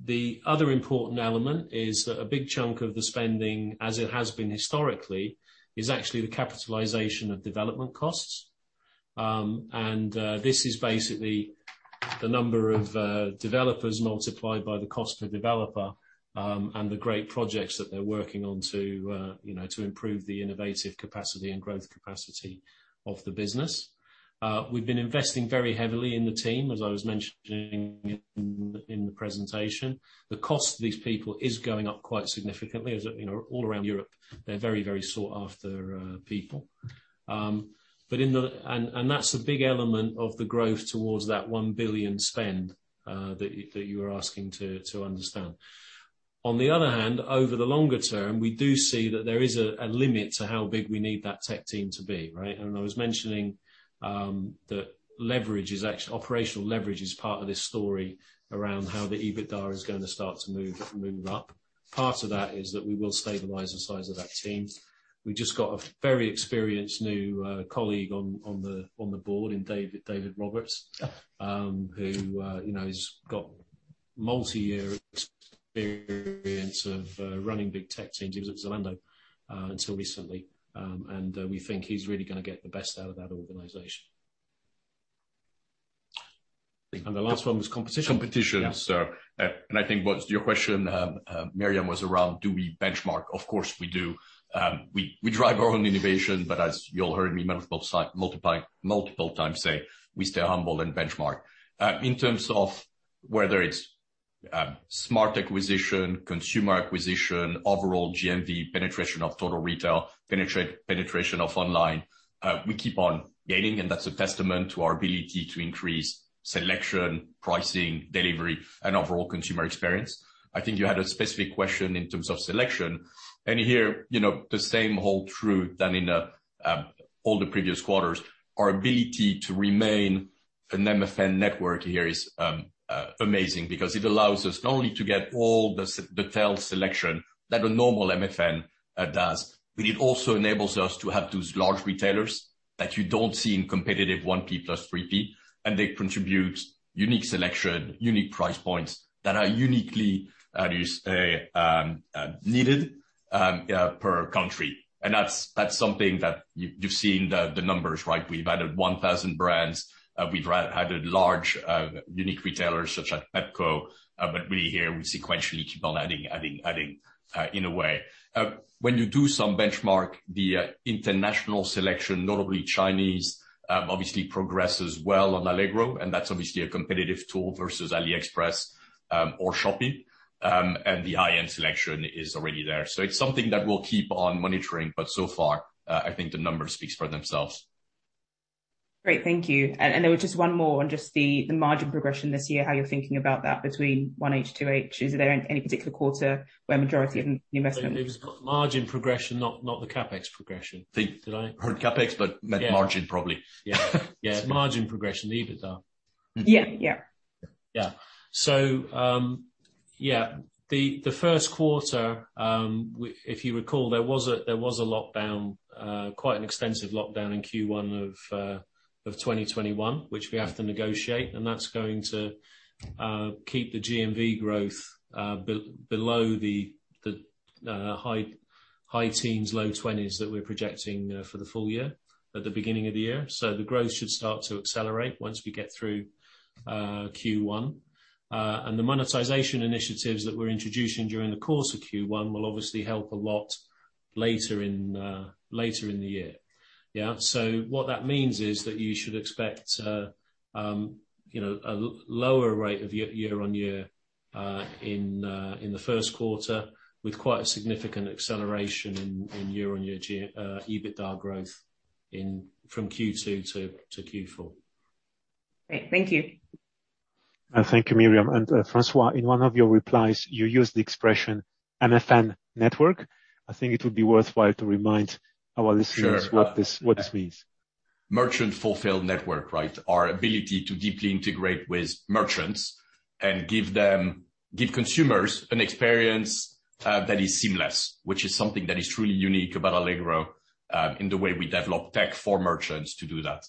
Speaker 3: The other important element is that a big chunk of the spending, as it has been historically, is actually the capitalization of development costs. This is basically the number of developers multiplied by the cost per developer, and the great projects that they're working on to you know, to improve the innovative capacity and growth capacity of the business. We've been investing very heavily in the team, as I was mentioning in the presentation. The cost of these people is going up quite significantly. As you know, all around Europe, they're very, very sought after people. That's the big element of the growth towards that 1 billion spend that you are asking to understand. On the other hand, over the longer term, we do see that there is a limit to how big we need that tech team to be, right? I was mentioning that leverage is actually operational leverage is part of this story around how the EBITDA is gonna start to move up. Part of that is that we will stabilize the size of that team. We just got a very experienced new colleague on the board, David Roberts, who you know has got multi-year experience of running big tech teams. He was at Zalando until recently. We think he's really gonna get the best out of that organization. The last one was competition.
Speaker 2: Competition.
Speaker 3: Yeah.
Speaker 2: I think what your question, Miriam, was around do we benchmark? Of course, we do. We drive our own innovation, but as you all heard me multiple times say, we stay humble and benchmark. In terms of whether it's smart acquisition, consumer acquisition, overall GMV, penetration of total retail, penetration of online, we keep on gaining, and that's a testament to our ability to increase selection, pricing, delivery, and overall consumer experience. I think you had a specific question in terms of selection. Here, you know, the same hold true as in all the previous quarters. Our ability to remain an MFN network here is amazing because it allows us not only to get all the selection that a normal MFN does, but it also enables us to have those large retailers that you don't see in competitive 1P plus 3P, and they contribute unique selection, unique price points that are uniquely just needed per country. That's something that you've seen, the numbers, right? We've added 1,000 brands. We've added large unique retailers such as Pepco. We sequentially keep on adding in a way. When you do some benchmark, the international selection, notably Chinese, obviously progresses well on Allegro, and that's obviously a competitive tool versus AliExpress or Shopee. The IM selection is already there. It's something that we'll keep on monitoring, but so far, I think the numbers speak for themselves.
Speaker 4: Great. Thank you. There was just one more on just the margin progression this year, how you're thinking about that between 1H, 2H. Is there any particular quarter where majority of the investment-
Speaker 3: It was margin progression, not the CapEx progression. Did I?
Speaker 2: heard CapEx, but net margin, probably.
Speaker 3: Yeah. It's margin progression, the EBITDA.
Speaker 4: Yeah, yeah.
Speaker 3: If you recall, there was a lockdown, quite an extensive lockdown in Q1 of 2021, which we have to navigate, and that's going to keep the GMV growth below the high teens, low twenties that we're projecting for the full year at the beginning of the year. The growth should start to accelerate once we get through Q1. The monetization initiatives that we're introducing during the course of Q1 will obviously help a lot later in the year. What that means is that you should expect a lower rate of year-on-year in the first quarter with quite a significant acceleration in year-on-year EBITDA growth from Q2 to Q4.
Speaker 4: Great. Thank you.
Speaker 1: Thank you, Miriam. Francois, in one of your replies, you used the expression MFN network. I think it would be worthwhile to remind our listeners.
Speaker 2: Sure.
Speaker 1: What this means.
Speaker 2: Merchant Fulfilled Network, right? Our ability to deeply integrate with merchants and give them, give consumers an experience that is seamless, which is something that is truly unique about Allegro in the way we develop tech for merchants to do that.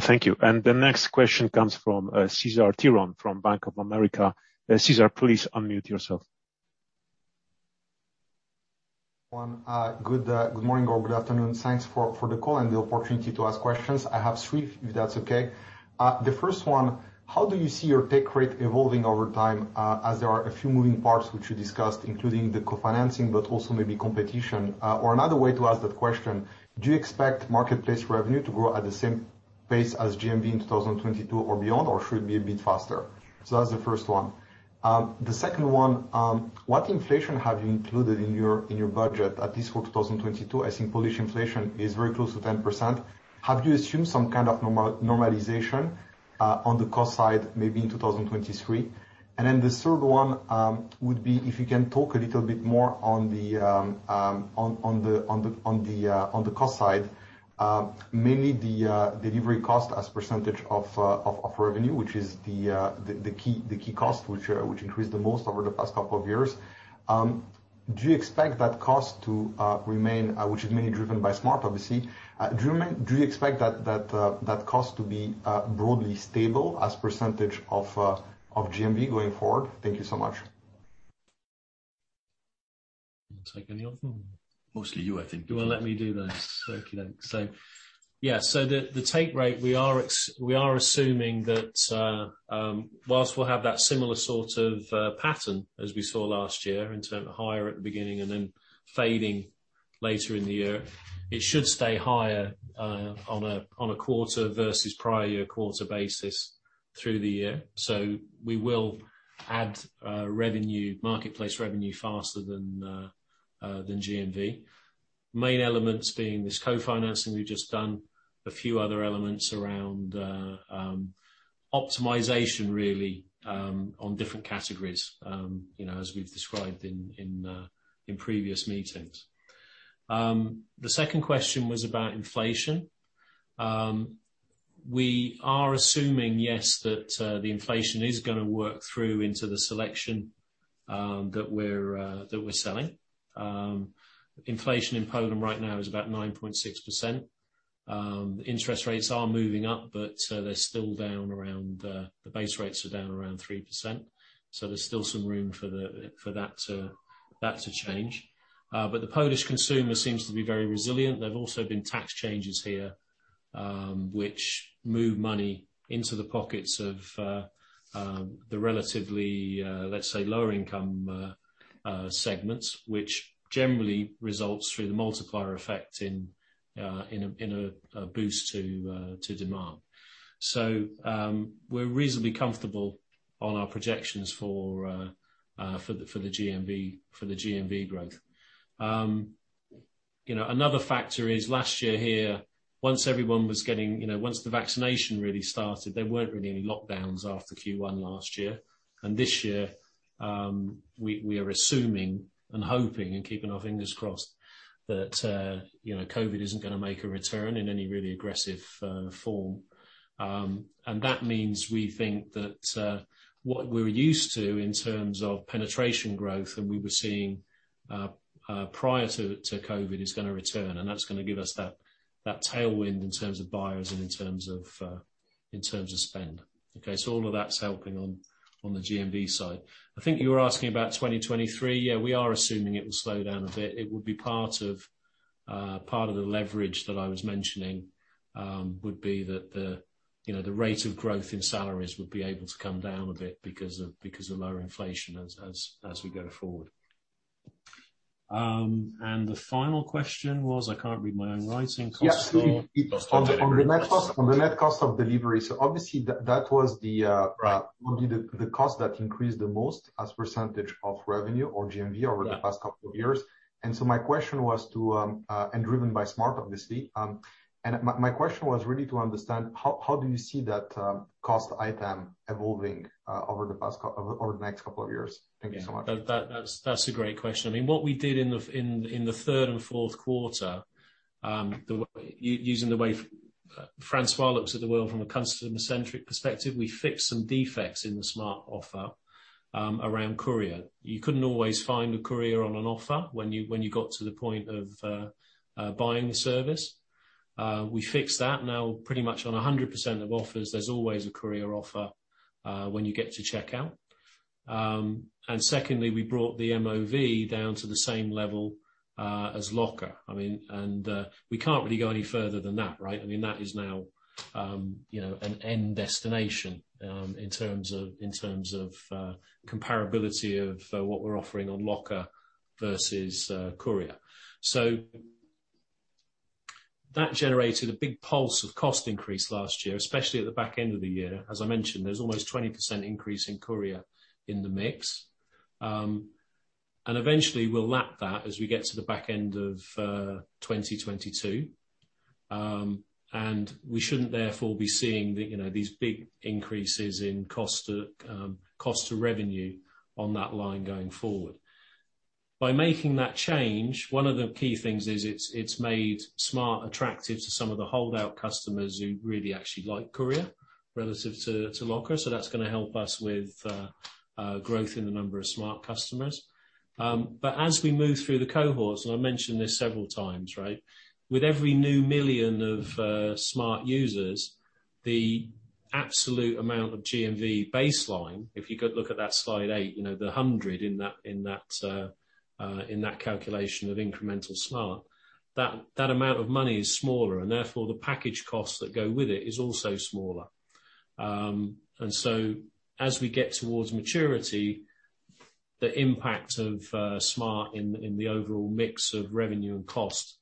Speaker 1: Thank you. The next question comes from Cezar Tiron from Bank of America. Cezar, please unmute yourself.
Speaker 5: One good morning or good afternoon. Thanks for the call and the opportunity to ask questions. I have 3, if that's okay. The first one, how do you see your take rate evolving over time, as there are a few moving parts which you discussed, including the co-financing, but also maybe competition? Or another way to ask that question, do you expect marketplace revenue to grow at the same pace as GMV in 2022 or beyond, or should be a bit faster? That's the first one. The second one, what inflation have you included in your budget, at least for 2022? I think Polish inflation is very close to 10%. Have you assumed some kind of normalization on the cost side, maybe in 2023? The third one would be if you can talk a little bit more on the cost side, mainly the delivery cost as percentage of revenue, which is the key cost which increased the most over the past couple of years. Do you expect that cost to remain, which is mainly driven by Smart, obviously. Do you expect that cost to be broadly stable as percentage of GMV going forward? Thank you so much.
Speaker 3: You take any of them?
Speaker 2: Mostly you, I think.
Speaker 3: Well, let me do the calculation. The take rate, we are assuming that while we'll have that similar sort of pattern as we saw last year in terms of higher at the beginning and then fading later in the year, it should stay higher on a quarter versus prior year quarter basis through the year. We will add revenue, marketplace revenue faster than GMV. Main elements being this co-financing we've just done, a few other elements around optimization really on different categories, you know, as we've described in previous meetings. The second question was about inflation. We are assuming, yes, that the inflation is gonna work through into the selection that we're selling. Inflation in Poland right now is about 9.6%. Interest rates are moving up, but they're still down around the base rates are down around 3%. There's still some room for that to change. The Polish consumer seems to be very resilient. There've also been tax changes here, which move money into the pockets of the relatively, let's say, lower income segments, which generally results through the multiplier effect in a boost to demand. We're reasonably comfortable on our projections for the GMV growth. You know, another factor is last year here, once everyone was getting, you know, once the vaccination really started, there weren't really any lockdowns after Q1 last year. This year, we are assuming and hoping and keeping our fingers crossed that, you know, COVID isn't gonna make a return in any really aggressive form. That means we think that what we're used to in terms of penetration growth that we were seeing prior to COVID is gonna return, and that's gonna give us that tailwind in terms of buyers and in terms of spend. Okay. All of that's helping on the GMV side. I think you were asking about 2023. Yeah, we are assuming it will slow down a bit. It would be part of the leverage that I was mentioning would be that you know the rate of growth in salaries would be able to come down a bit because of lower inflation as we go forward. The final question was, I can't read my own writing. Cost for-
Speaker 5: Yeah, absolutely.
Speaker 3: Cost for delivery.
Speaker 5: On the net cost of delivery. Obviously that was probably the cost that increased the most as percentage of revenue or GMV over the past couple of years and driven by Smart obviously. My question was really to understand how you see that cost item evolving over the next couple of years? Thank you so much.
Speaker 3: Yeah. That's a great question. I mean, what we did in the third and fourth quarter, the way Francois looks at the world from a customer-centric perspective, we fixed some defects in the Smart offer around courier. You couldn't always find a courier on an offer when you got to the point of buying the service. We fixed that. Now, pretty much on 100% of offers, there's always a courier offer when you get to checkout. And secondly, we brought the MOV down to the same level as locker. I mean, and we can't really go any further than that, right? I mean, that is now, you know, an end destination in terms of comparability of what we're offering on locker versus courier. That generated a big pulse of cost increase last year, especially at the back end of the year. As I mentioned, there's almost 20% increase in courier in the mix. Eventually we'll lap that as we get to the back end of 2022. We shouldn't therefore be seeing, you know, these big increases in cost to revenue on that line going forward. By making that change, one of the key things is it's made Smart attractive to some of the holdout customers who really actually like courier relative to locker. That's gonna help us with growth in the number of Smart customers. As we move through the cohorts, and I mentioned this several times, right? With every new million of Smart users, the absolute amount of GMV baseline, if you go look at that slide 8, you know, the 100 in that calculation of incremental Smart, that amount of money is smaller, and therefore the package costs that go with it is also smaller. As we get towards maturity, the impact of Smart in the overall mix of revenue and cost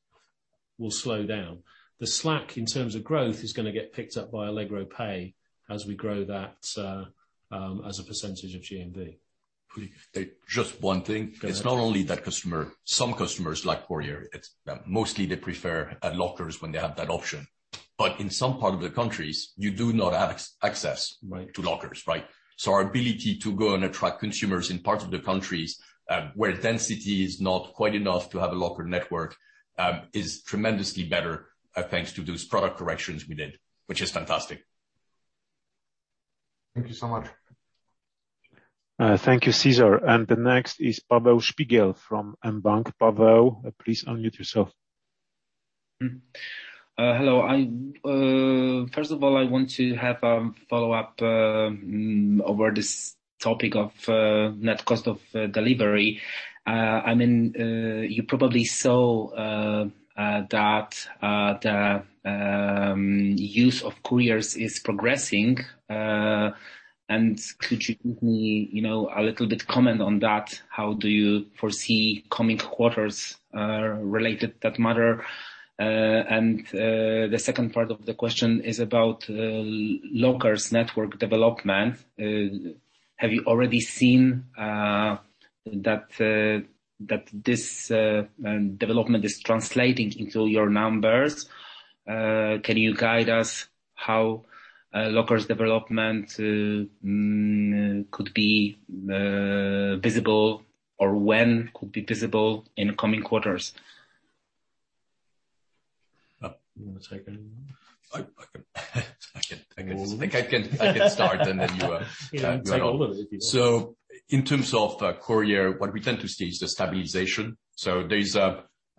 Speaker 3: will slow down. The slack, in terms of growth, is gonna get picked up by Allegro Pay as we grow that as a percentage of GMV.
Speaker 2: Just one thing.
Speaker 3: Go ahead.
Speaker 2: It's not only that customer. Some customers like Courier. It's mostly they prefer Lockers when they have that option. In some part of the countries, you do not have access-
Speaker 3: Right.
Speaker 2: to lockers, right? Our ability to go and attract consumers in parts of the countries, where density is not quite enough to have a locker network, is tremendously better, thanks to those product corrections we did, which is fantastic.
Speaker 5: Thank you so much.
Speaker 1: Thank you, Cezar. The next is Paweł Szpigiel from mBank. Paweł, please unmute yourself.
Speaker 6: Hello. First of all, I want to have follow-up over this topic of net cost of delivery. I mean, you probably saw that the use of couriers is progressing. Could you give me, you know, a little bit comment on that. How do you foresee coming quarters related to that matter? The second part of the question is about lockers network development. Have you already seen that this development is translating into your numbers? Can you guide us how lockers development could be visible or when could be visible in coming quarters?
Speaker 3: Oh, you wanna take it?
Speaker 2: I think I can start and then you carry on.
Speaker 3: You can take all of it if you want.
Speaker 2: In terms of courier, what we tend to see is the stabilization.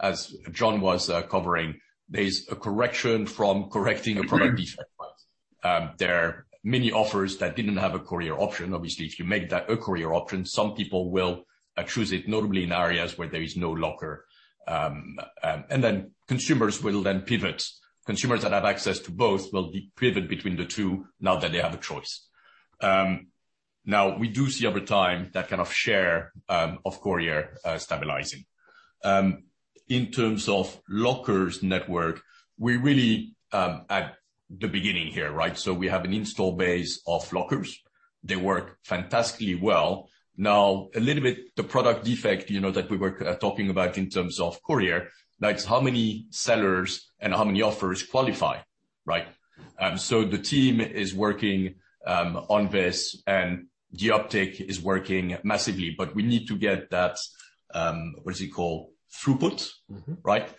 Speaker 2: As John was covering, there's a correction from correcting a product defect. There are many offers that didn't have a courier option. Obviously, if you make that a courier option, some people will choose it, notably in areas where there is no locker. Consumers will then pivot. Consumers that have access to both will be pivot between the two now that they have a choice. Now we do see over time that kind of share of courier stabilizing. In terms of lockers network, we're really at the beginning here, right? We have an install base of lockers. They work fantastically well. Now, a little bit about the product defect, you know, that we were talking about in terms of courier, now it's how many sellers and how many offers qualify, right? The team is working on this and the uptick is working massively. We need to get that, what is it called? Throughput.
Speaker 3: Mm-hmm.
Speaker 2: Right?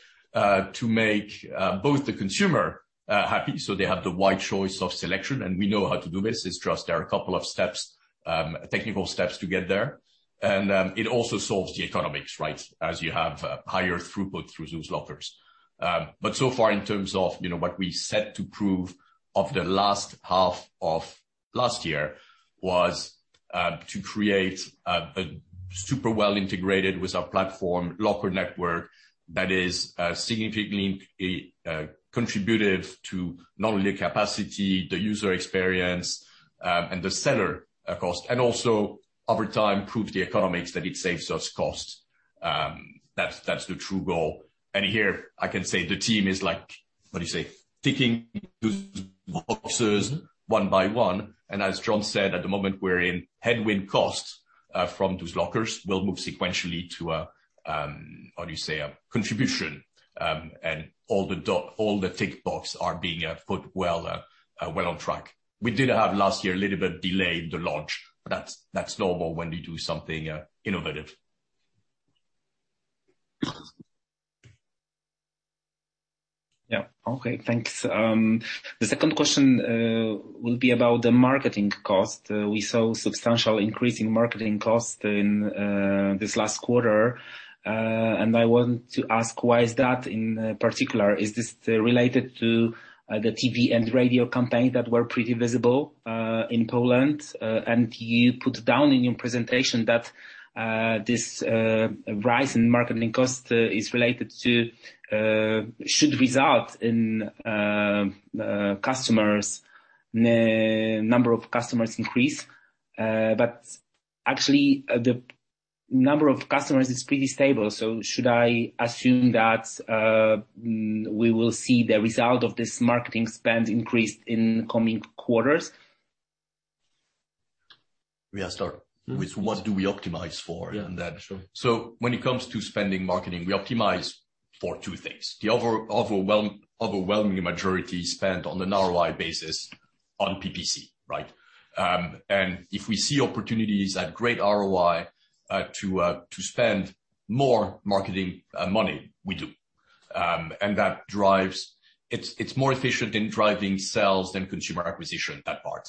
Speaker 2: To make both the consumer happy, so they have the wide choice of selection. We know how to do this. It's just there are a couple of steps, technical steps to get there. It also solves the economics, right, as you have higher throughput through those lockers. So far in terms of, you know, what we set to prove of the last half of last year was, to create a super well integrated with our platform locker network that is, significantly, contributed to not only capacity, the user experience, and the seller, of course, and also over time prove the economics that it saves us costs. That's the true goal. Here I can say the team is like, what do you say, ticking those boxes one by one. As Jon said, at the moment, we're in headwind costs from those lockers. We'll move sequentially to a contribution. All the tick boxes are being put well on track. We did have last year a little bit delayed the launch, but that's normal when you do something innovative.
Speaker 6: Yeah. Okay, thanks. The second question will be about the marketing cost. We saw substantial increase in marketing cost in this last quarter, and I want to ask why is that in particular? Is this related to the TV and radio campaign that were pretty visible in Poland, and you put down in your presentation that this rise in marketing cost is related to should result in customers' number of customers increase. But actually, the number of customers is pretty stable, so should I assume that we will see the result of this marketing spend increase in coming quarters?
Speaker 2: We start with what do we optimize for?
Speaker 6: Yeah.
Speaker 2: And then-
Speaker 6: Sure.
Speaker 2: When it comes to spending marketing, we optimize for two things. The overwhelmingly majority spent on an ROI basis on PPC, right? If we see opportunities at great ROI to spend more marketing money, we do. That drives. It's more efficient in driving sales than consumer acquisition, that part,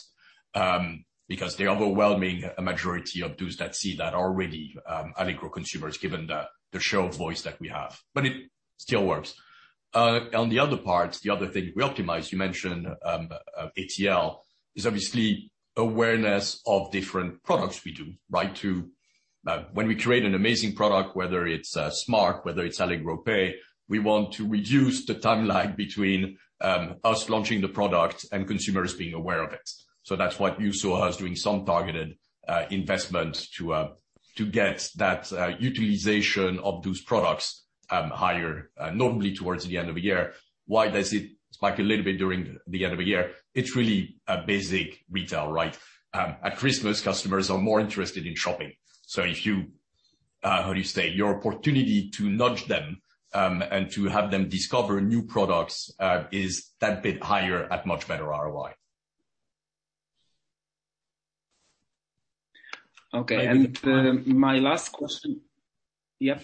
Speaker 2: because the overwhelming majority of those that see that are already Allegro consumers, given the share of voice that we have. It still works. On the other part, the other thing we optimize, you mentioned, ATL is obviously awareness of different products we do, right? To when we create an amazing product, whether it's Smart, whether it's Allegro Pay, we want to reduce the timeline between us launching the product and consumers being aware of it. That's what you saw us doing some targeted investment to get that utilization of those products higher, normally towards the end of the year. Why does it spike a little bit during the end of the year? It's really a basic retail right. At Christmas, customers are more interested in shopping. If you how do you say? Your opportunity to nudge them and to have them discover new products is that bit higher at much better ROI.
Speaker 6: Okay. My last question. Yeah.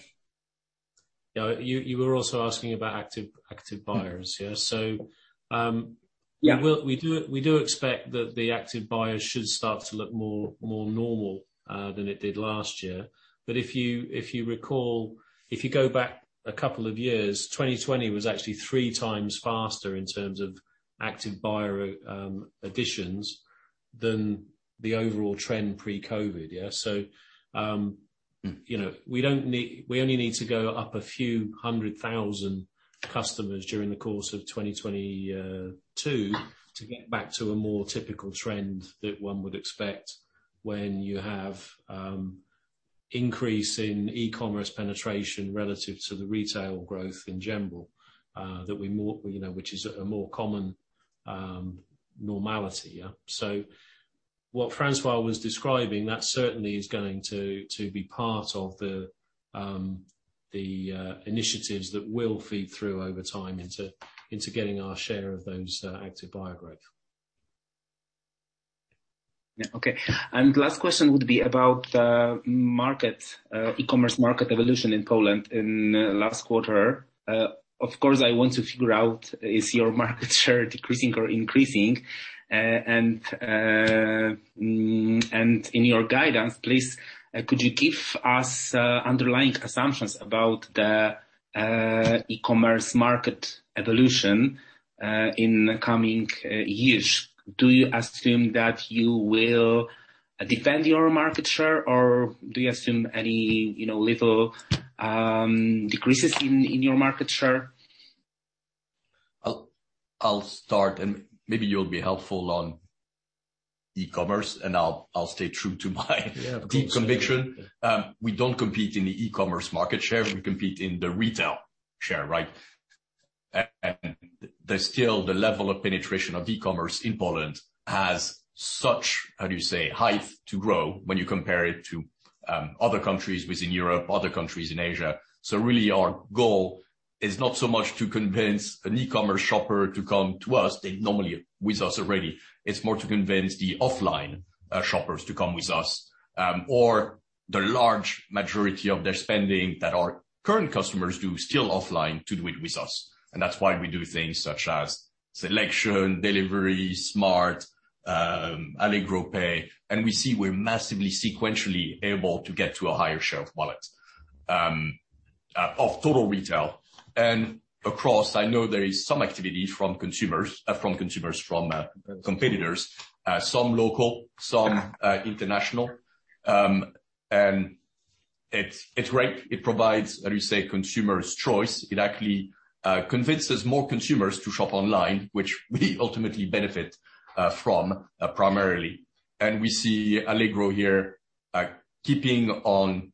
Speaker 3: Yeah. You were also asking about active buyers. Yeah.
Speaker 6: Yeah.
Speaker 3: We do expect that the active buyers should start to look more normal than it did last year. If you recall, if you go back a couple of years, 2020 was actually three times faster in terms of active buyer additions than the overall trend pre-COVID. Yeah. You know, we only need to go up a few hundred thousand customers during the course of 2022 to get back to a more typical trend that one would expect when you have increase in e-commerce penetration relative to the retail growth in general, that is more, you know, which is a more common normality. Yeah. What Francois was describing, that certainly is going to be part of the initiatives that will feed through over time into getting our share of those active buyer growth.
Speaker 6: Yeah. Okay. Last question would be about market e-commerce market evolution in Poland in last quarter. Of course, I want to figure out is your market share decreasing or increasing? In your guidance, please, could you give us underlying assumptions about the e-commerce market evolution in coming years? Do you assume that you will defend your market share, or do you assume any, you know, little decreases in your market share?
Speaker 2: I'll start and maybe you'll be helpful on e-commerce, and I'll stay true to my deep conviction. We don't compete in the e-commerce market share. We compete in the retail share, right? There's still the level of penetration of e-commerce in Poland has such room to grow when you compare it to other countries within Europe, other countries in Asia. Really our goal is not so much to convince an e-commerce shopper to come to us, they're normally with us already. It's more to convince the offline shoppers to come with us or the large majority of their spending that our current customers do still offline to do it with us. That's why we do things such as selection, delivery, Smart, Allegro Pay, and we see we're massively sequentially able to get to a higher share of wallet of total retail. Across, I know there is some activity from consumers, from competitors, some local, some international. It's great. It provides, how do you say, consumer's choice. It actually convinces more consumers to shop online, which we ultimately benefit from primarily. We see Allegro here keeping on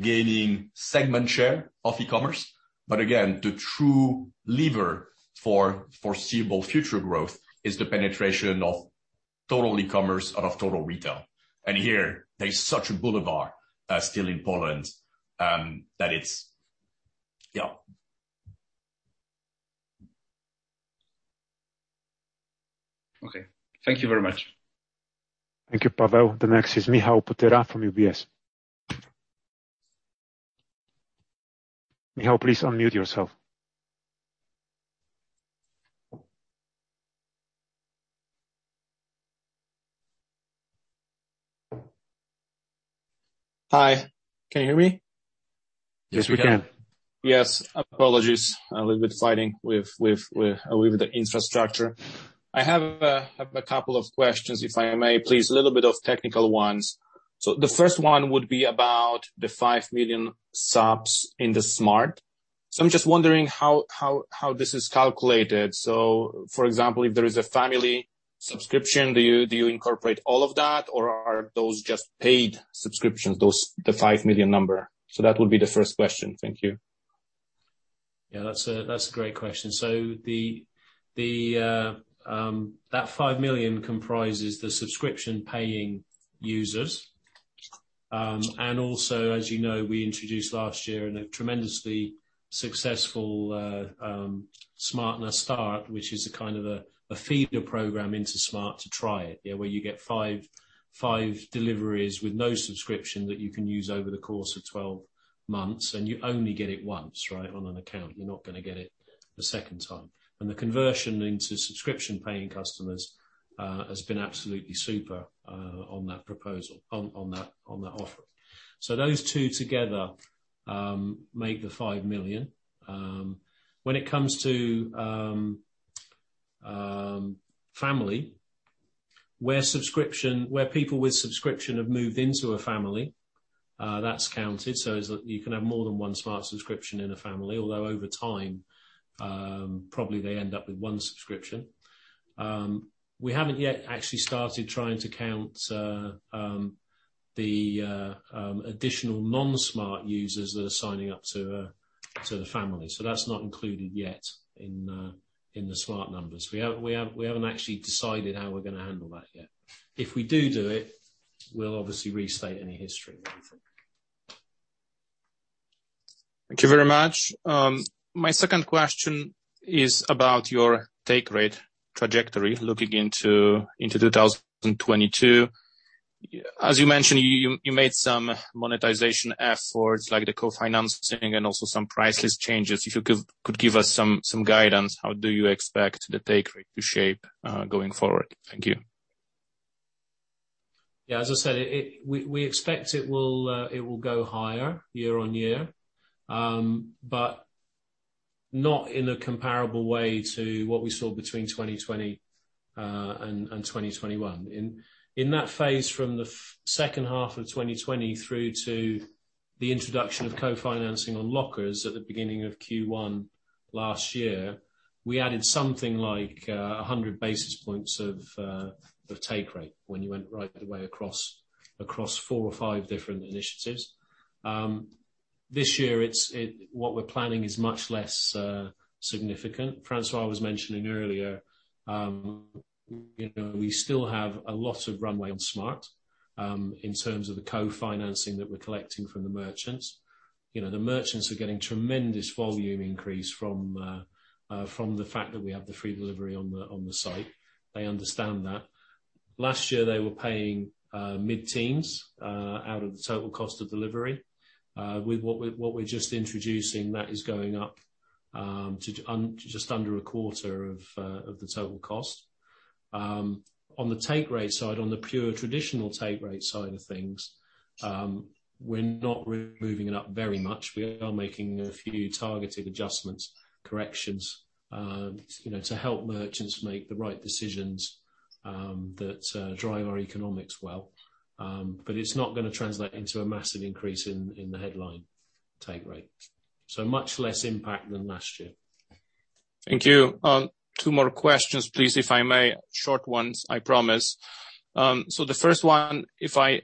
Speaker 2: gaining segment share of e-commerce. Again, the true lever for foreseeable future growth is the penetration of total e-commerce out of total retail. Here there is such a boulevard still in Poland that it's. Yeah. Okay. Thank you very much.
Speaker 1: Thank you, Paweł. The next is Michał Potyra from UBS. Michał, please unmute yourself.
Speaker 7: Hi. Can you hear me?
Speaker 1: Yes, we can.
Speaker 7: Yes. Apologies. A little bit fighting with a little bit of infrastructure. I have a couple of questions, if I may, please. A little bit of technical ones. The first one would be about the 5 million subs in the Smart!. I'm just wondering how this is calculated. For example, if there is a family subscription, do you incorporate all of that, or are those just paid subscriptions, the 5 million number? That would be the first question. Thank you.
Speaker 3: Yeah. That's a great question. So that 5 million comprises the subscription-paying users. And also, as you know, we introduced last year as a tremendously successful Smart! na Start, which is a kind of a feeder program into Smart! to try it, yeah, where you get 5 deliveries with no subscription that you can use over the course of 12 months, and you only get it once, right, on an account. You're not gonna get it a second time. The conversion into subscription-paying customers has been absolutely super on that offering. So those two together make the 5 million. When it comes to family, where people with subscription have moved into a family, that's counted, so you can have more than one Smart subscription in a family, although over time, probably they end up with one subscription. We haven't yet actually started trying to count the additional non-Smart users that are signing up to the family. That's not included yet in the Smart numbers. We haven't actually decided how we're gonna handle that yet. If we do it, we'll obviously restate any history, I think.
Speaker 7: Thank you very much. My second question is about your take rate trajectory looking into 2022. As you mentioned, you made some monetization efforts like the co-financing and also some pricing changes. If you could give us some guidance, how do you expect the take rate to shape going forward? Thank you.
Speaker 3: Yeah, as I said, we expect it will go higher year-on-year, but not in a comparable way to what we saw between 2020 and 2021. In that phase from the second half of 2020 through to the introduction of co-financing on lockers at the beginning of Q1 last year, we added something like 100 basis points of take rate when you went right the way across four or five different initiatives. This year, what we're planning is much less significant. François was mentioning earlier, you know, we still have a lot of runway on Smart in terms of the co-financing that we're collecting from the merchants. You know, the merchants are getting tremendous volume increase from the fact that we have the free delivery on the site. They understand that. Last year, they were paying mid-teens% out of the total cost of delivery. With what we're just introducing, that is going up to just under a quarter of the total cost. On the take rate side, on the pure traditional take rate side of things, we're not moving it up very much. We are making a few targeted adjustments, corrections, you know, to help merchants make the right decisions that drive our economics well. But it's not gonna translate into a massive increase in the headline take rate. Much less impact than last year.
Speaker 7: Thank you. Two more questions, please, if I may. Short ones, I promise. The first one, if I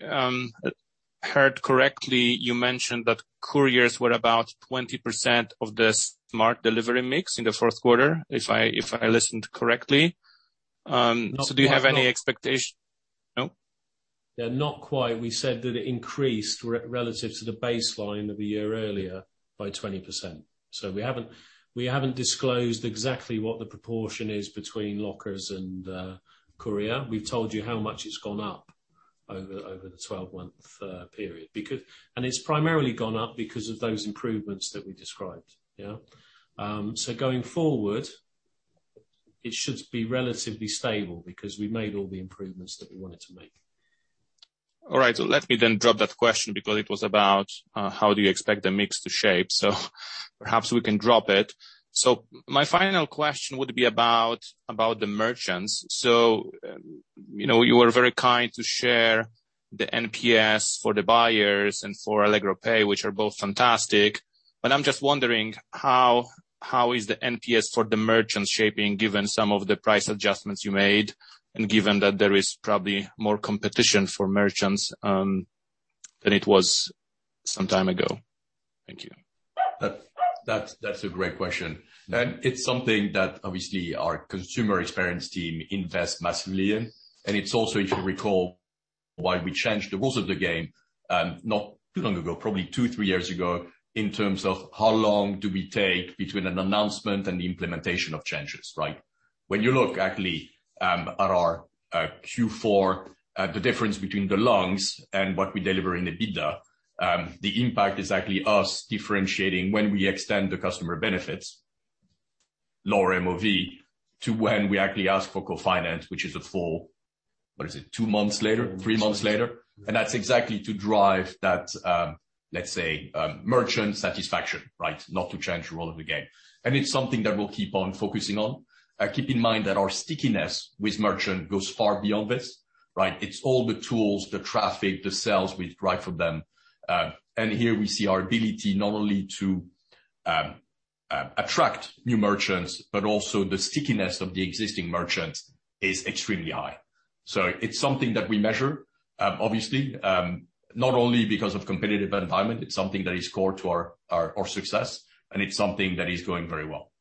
Speaker 7: heard correctly, you mentioned that couriers were about 20% of the Smart delivery mix in the fourth quarter, if I listened correctly. Do you have any expectations? No?
Speaker 3: Yeah. Not quite. We said that it increased relative to the baseline of a year earlier by 20%. We haven't disclosed exactly what the proportion is between lockers and courier. We've told you how much it's gone up over the 12-month period. It's primarily gone up because of those improvements that we described, yeah. Going forward, it should be relatively stable because we made all the improvements that we wanted to make.
Speaker 7: All right. Let me then drop that question because it was about how do you expect the mix to shape. Perhaps we can drop it. My final question would be about the merchants. You know, you were very kind to share the NPS for the buyers and for Allegro Pay, which are both fantastic. I'm just wondering how is the NPS for the merchants shaping given some of the price adjustments you made and given that there is probably more competition for merchants than it was some time ago? Thank you.
Speaker 2: That's a great question. It's something that obviously our consumer experience team invest massively in. It's also, if you recall, why we changed the rules of the game, not too long ago, probably two, three years ago, in terms of how long do we take between an announcement and the implementation of changes, right? When you look actually at our Q4, the difference between the launch and what we deliver in the EBITDA, the impact is actually us differentiating when we extend the customer benefits, lower MOV, to when we actually ask for co-financing, which is a full two months later, three months later. That's exactly to drive that, let's say, merchant satisfaction, right? Not to change the rules of the game. It's something that we'll keep on focusing on. Keep in mind that our stickiness with merchant goes far beyond this, right? It's all the tools, the traffic, the sales we drive for them. Here we see our ability not only to attract new merchants, but also the stickiness of the existing merchants is extremely high. It's something that we measure, obviously, not only because of competitive environment, it's something that is core to our success, and it's something that is going very well.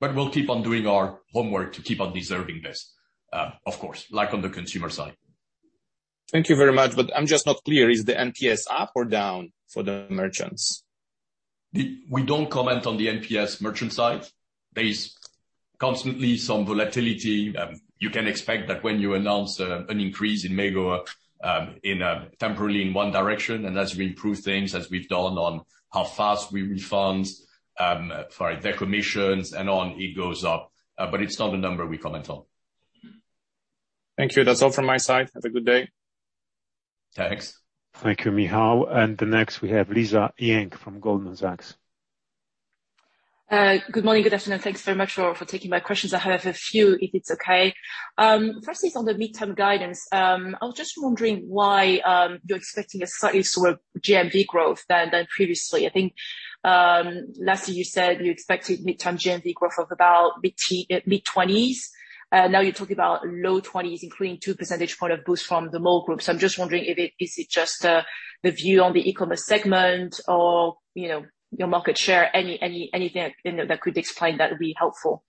Speaker 2: We'll keep on doing our homework to keep on deserving this, of course, like on the consumer side.
Speaker 7: Thank you very much. I'm just not clear. Is the NPS up or down for the merchants?
Speaker 2: We don't comment on the NPS merchant side. There is constantly some volatility. You can expect that when you announce an increase in Mego temporarily in one direction, and as we improve things, as we've done on how fast we refund for their commissions and on, it goes up. But it's not a number we comment on.
Speaker 7: Thank you. That's all from my side. Have a good day.
Speaker 2: Thanks.
Speaker 3: Thank you, Michał. The next we have Lisa Yang from Goldman Sachs.
Speaker 8: Good morning, good afternoon. Thanks very much for taking my questions. I have a few, if it's okay. Firstly, on the midterm guidance, I was just wondering why you're expecting a slightly slower GMV growth than previously. I think lastly, you said you expected midterm GMV growth of about mid-20s. Now you're talking about low 20s, including two percentage point boost from the Mall Group. So I'm just wondering if it is just the view on the e-commerce segment or, you know, your market share? Anything that could explain that would be helpful.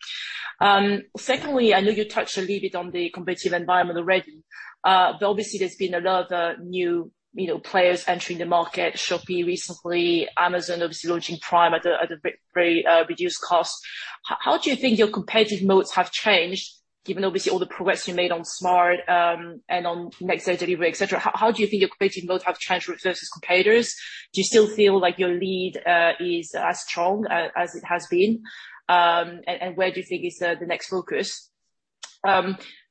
Speaker 8: Secondly, I know you touched a little bit on the competitive environment already, but obviously there's been a lot of new, you know, players entering the market. Shopee recently, Amazon obviously launching Prime at a very reduced cost. How do you think your competitive moats have changed, given obviously all the progress you made on Smart, and on next day delivery, et cetera? How do you think your competitive moats have changed versus competitors? Do you still feel like your lead is as strong as it has been? And where do you think is the next focus?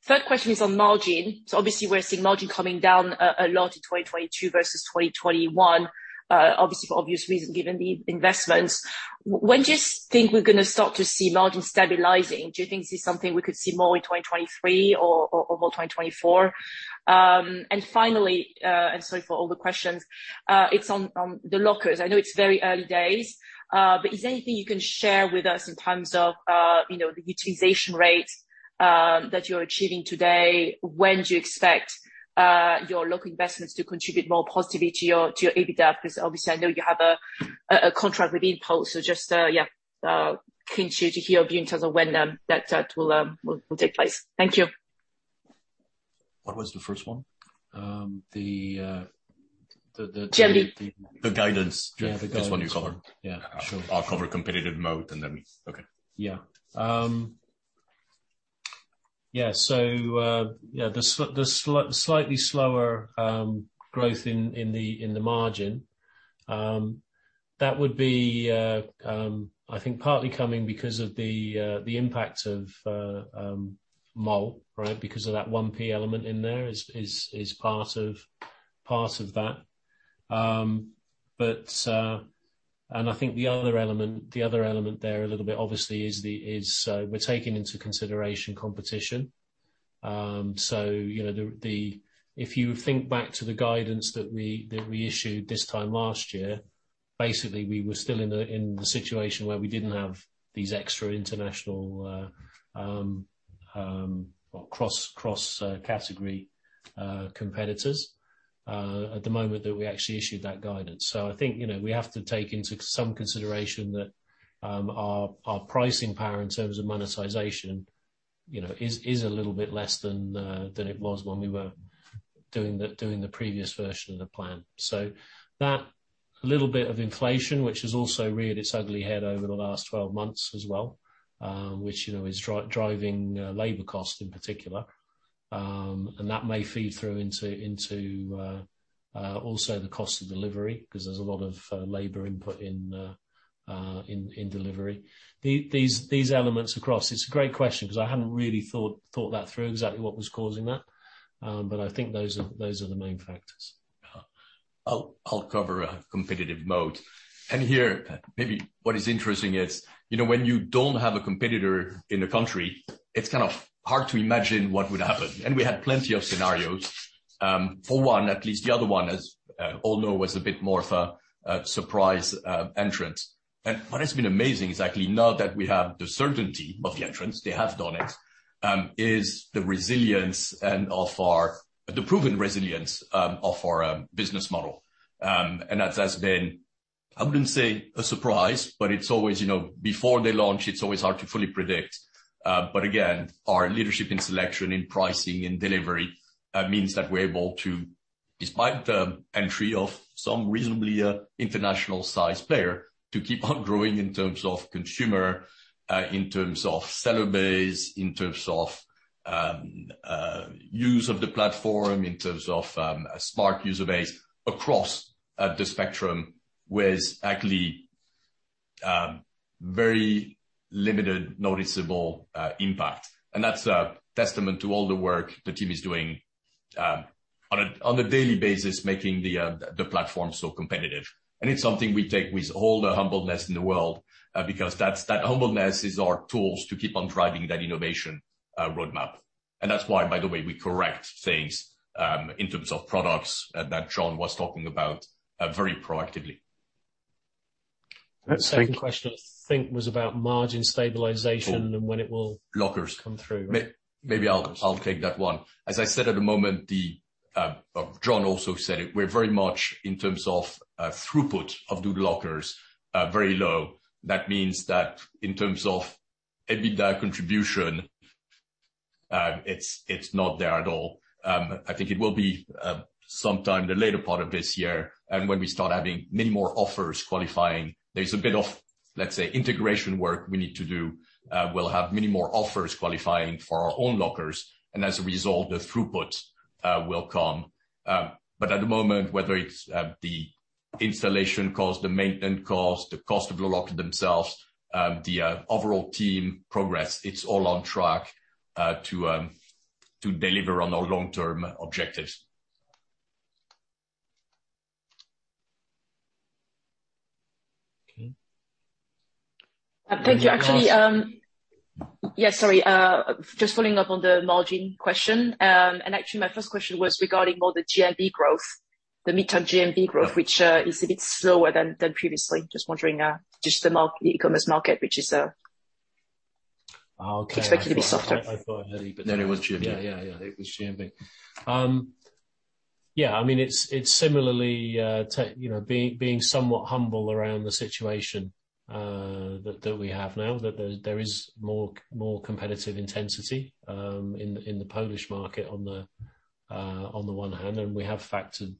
Speaker 8: Third question is on margin. Obviously we're seeing margin coming down a lot in 2022 versus 2021, obviously for obvious reasons, given the investments. When do you think we're gonna start to see margin stabilizing? Do you think this is something we could see more in 2023 or more 2024? Finally, sorry for all the questions, it's on the lockers. I know it's very early days, but is there anything you can share with us in terms of, you know, the utilization rates that you're achieving today? When do you expect your locker investments to contribute more positively to your EBITDA? Because obviously, I know you have a contract with InPost. So just, yeah, keen to hear from you in terms of when that will take place. Thank you.
Speaker 2: What was the first one?
Speaker 3: Um, the, uh, the-
Speaker 8: GMV.
Speaker 2: The guidance.
Speaker 3: Yeah, the guidance.
Speaker 2: That's one you cover.
Speaker 3: Yeah, sure.
Speaker 2: I'll cover competitive moat and then. Okay.
Speaker 3: The slightly slower growth in the margin that would be I think partly coming because of the impact of Mall, right? Because of that 1P element in there is part of that. I think the other element there a little bit, obviously, is we're taking into consideration competition. You know, if you think back to the guidance that we issued this time last year, basically, we were still in the situation where we didn't have these extra international well, cross-category competitors at the moment that we actually issued that guidance. I think, you know, we have to take into some consideration that our pricing power in terms of monetization, you know, is a little bit less than it was when we were doing the previous version of the plan. That little bit of inflation, which has also reared its ugly head over the last 12 months as well, which, you know, is driving labor costs in particular, and that may feed through into also the cost of delivery 'cause there's a lot of labor input in delivery. These elements across, it's a great question 'cause I hadn't really thought that through exactly what was causing that. But I think those are the main factors.
Speaker 2: I'll cover competitive moat. Here, maybe what is interesting is, you know, when you don't have a competitor in the country, it's kind of hard to imagine what would happen. We had plenty of scenarios, for one at least. The other one, as all know, was a bit more of a surprise entrance. What has been amazing is actually now that we have the certainty of the entrance, they have done it, is the proven resilience of our business model. That's has been. I wouldn't say a surprise, but it's always, you know, before they launch, it's always hard to fully predict. Our leadership in selection, in pricing and delivery means that we're able to, despite the entry of some reasonably international size player, to keep on growing in terms of consumer, seller base, use of the platform, a smart user base across the spectrum with actually very limited noticeable impact. That's a testament to all the work the team is doing on a daily basis, making the platform so competitive. It's something we take with all the humbleness in the world, because that's that humbleness is our tools to keep on driving that innovation roadmap. That's why, by the way, we correct things in terms of products that John was talking about very proactively.
Speaker 3: That second question, I think was about margin stabilization.
Speaker 2: Cool
Speaker 3: -and when it will-
Speaker 2: Lockers
Speaker 3: come through.
Speaker 2: Maybe I'll take that one. As I said at the moment, John also said it, we're very much in terms of throughput of our own lockers, very low. That means that in terms of EBITDA contribution, it's not there at all. I think it will be sometime in the later part of this year. When we start having many more offers qualifying, there's a bit of, let's say, integration work we need to do. We'll have many more offers qualifying for our own lockers, and as a result, the throughput will come. At the moment, whether it's the installation cost, the maintenance cost, the cost of the lockers themselves, the overall team progress, it's all on track to deliver on our long-term objectives.
Speaker 3: Okay.
Speaker 8: Thank you. Actually, yeah, sorry, just following up on the margin question. Actually my first question was regarding more the GMV growth, the midterm GMV growth, which is a bit slower than previously. Just wondering, just the e-commerce market, which is
Speaker 3: Oh, okay.
Speaker 8: Expect it to be softer.
Speaker 3: I thought I'd had it, but-
Speaker 2: It was GMV.
Speaker 3: Yeah. It was GMV. Yeah, I mean, it's similarly, you know, being somewhat humble around the situation that we have now, that there is more competitive intensity in the Polish market on the one hand, and we have factored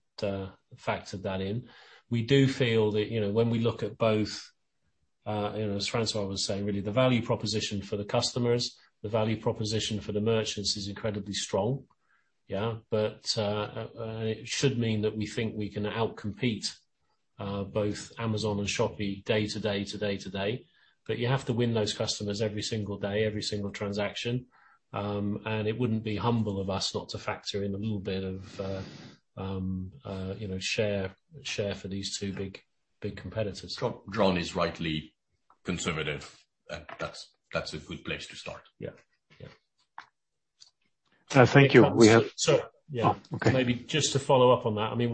Speaker 3: that in. We do feel that, you know, when we look at both, you know, as Francois was saying, really the value proposition for the customers, the value proposition for the merchants is incredibly strong. Yeah. It should mean that we think we can outcompete both Amazon and Shopee day to day. You have to win those customers every single day, every single transaction. It wouldn't be humble of us not to factor in a little bit of, you know, share for these two big competitors.
Speaker 2: Jon is rightly conservative, and that's a good place to start.
Speaker 3: Yeah. Yeah.
Speaker 1: Thank you.
Speaker 3: Yeah.
Speaker 1: Okay.
Speaker 3: Maybe just to follow up on that. I mean,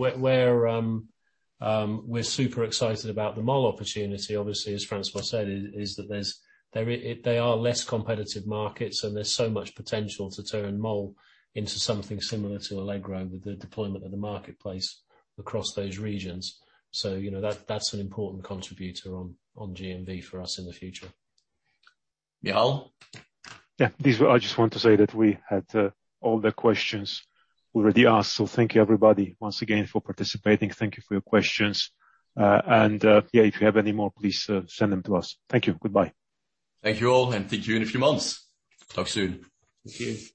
Speaker 3: we're super excited about the Mall opportunity, obviously, as Francois said, is that they are less competitive markets, and there's so much potential to turn Mall into something similar to Allegro with the deployment of the marketplace across those regions. You know, that's an important contributor on GMV for us in the future.
Speaker 2: Michał?
Speaker 1: Yeah. This is what I just want to say that we had all the questions already asked. Thank you, everybody, once again, for participating. Thank you for your questions. Yeah, if you have any more, please send them to us. Thank you. Goodbye.
Speaker 2: Thank you all, and thank you in a few months. Talk soon.
Speaker 3: Thank you.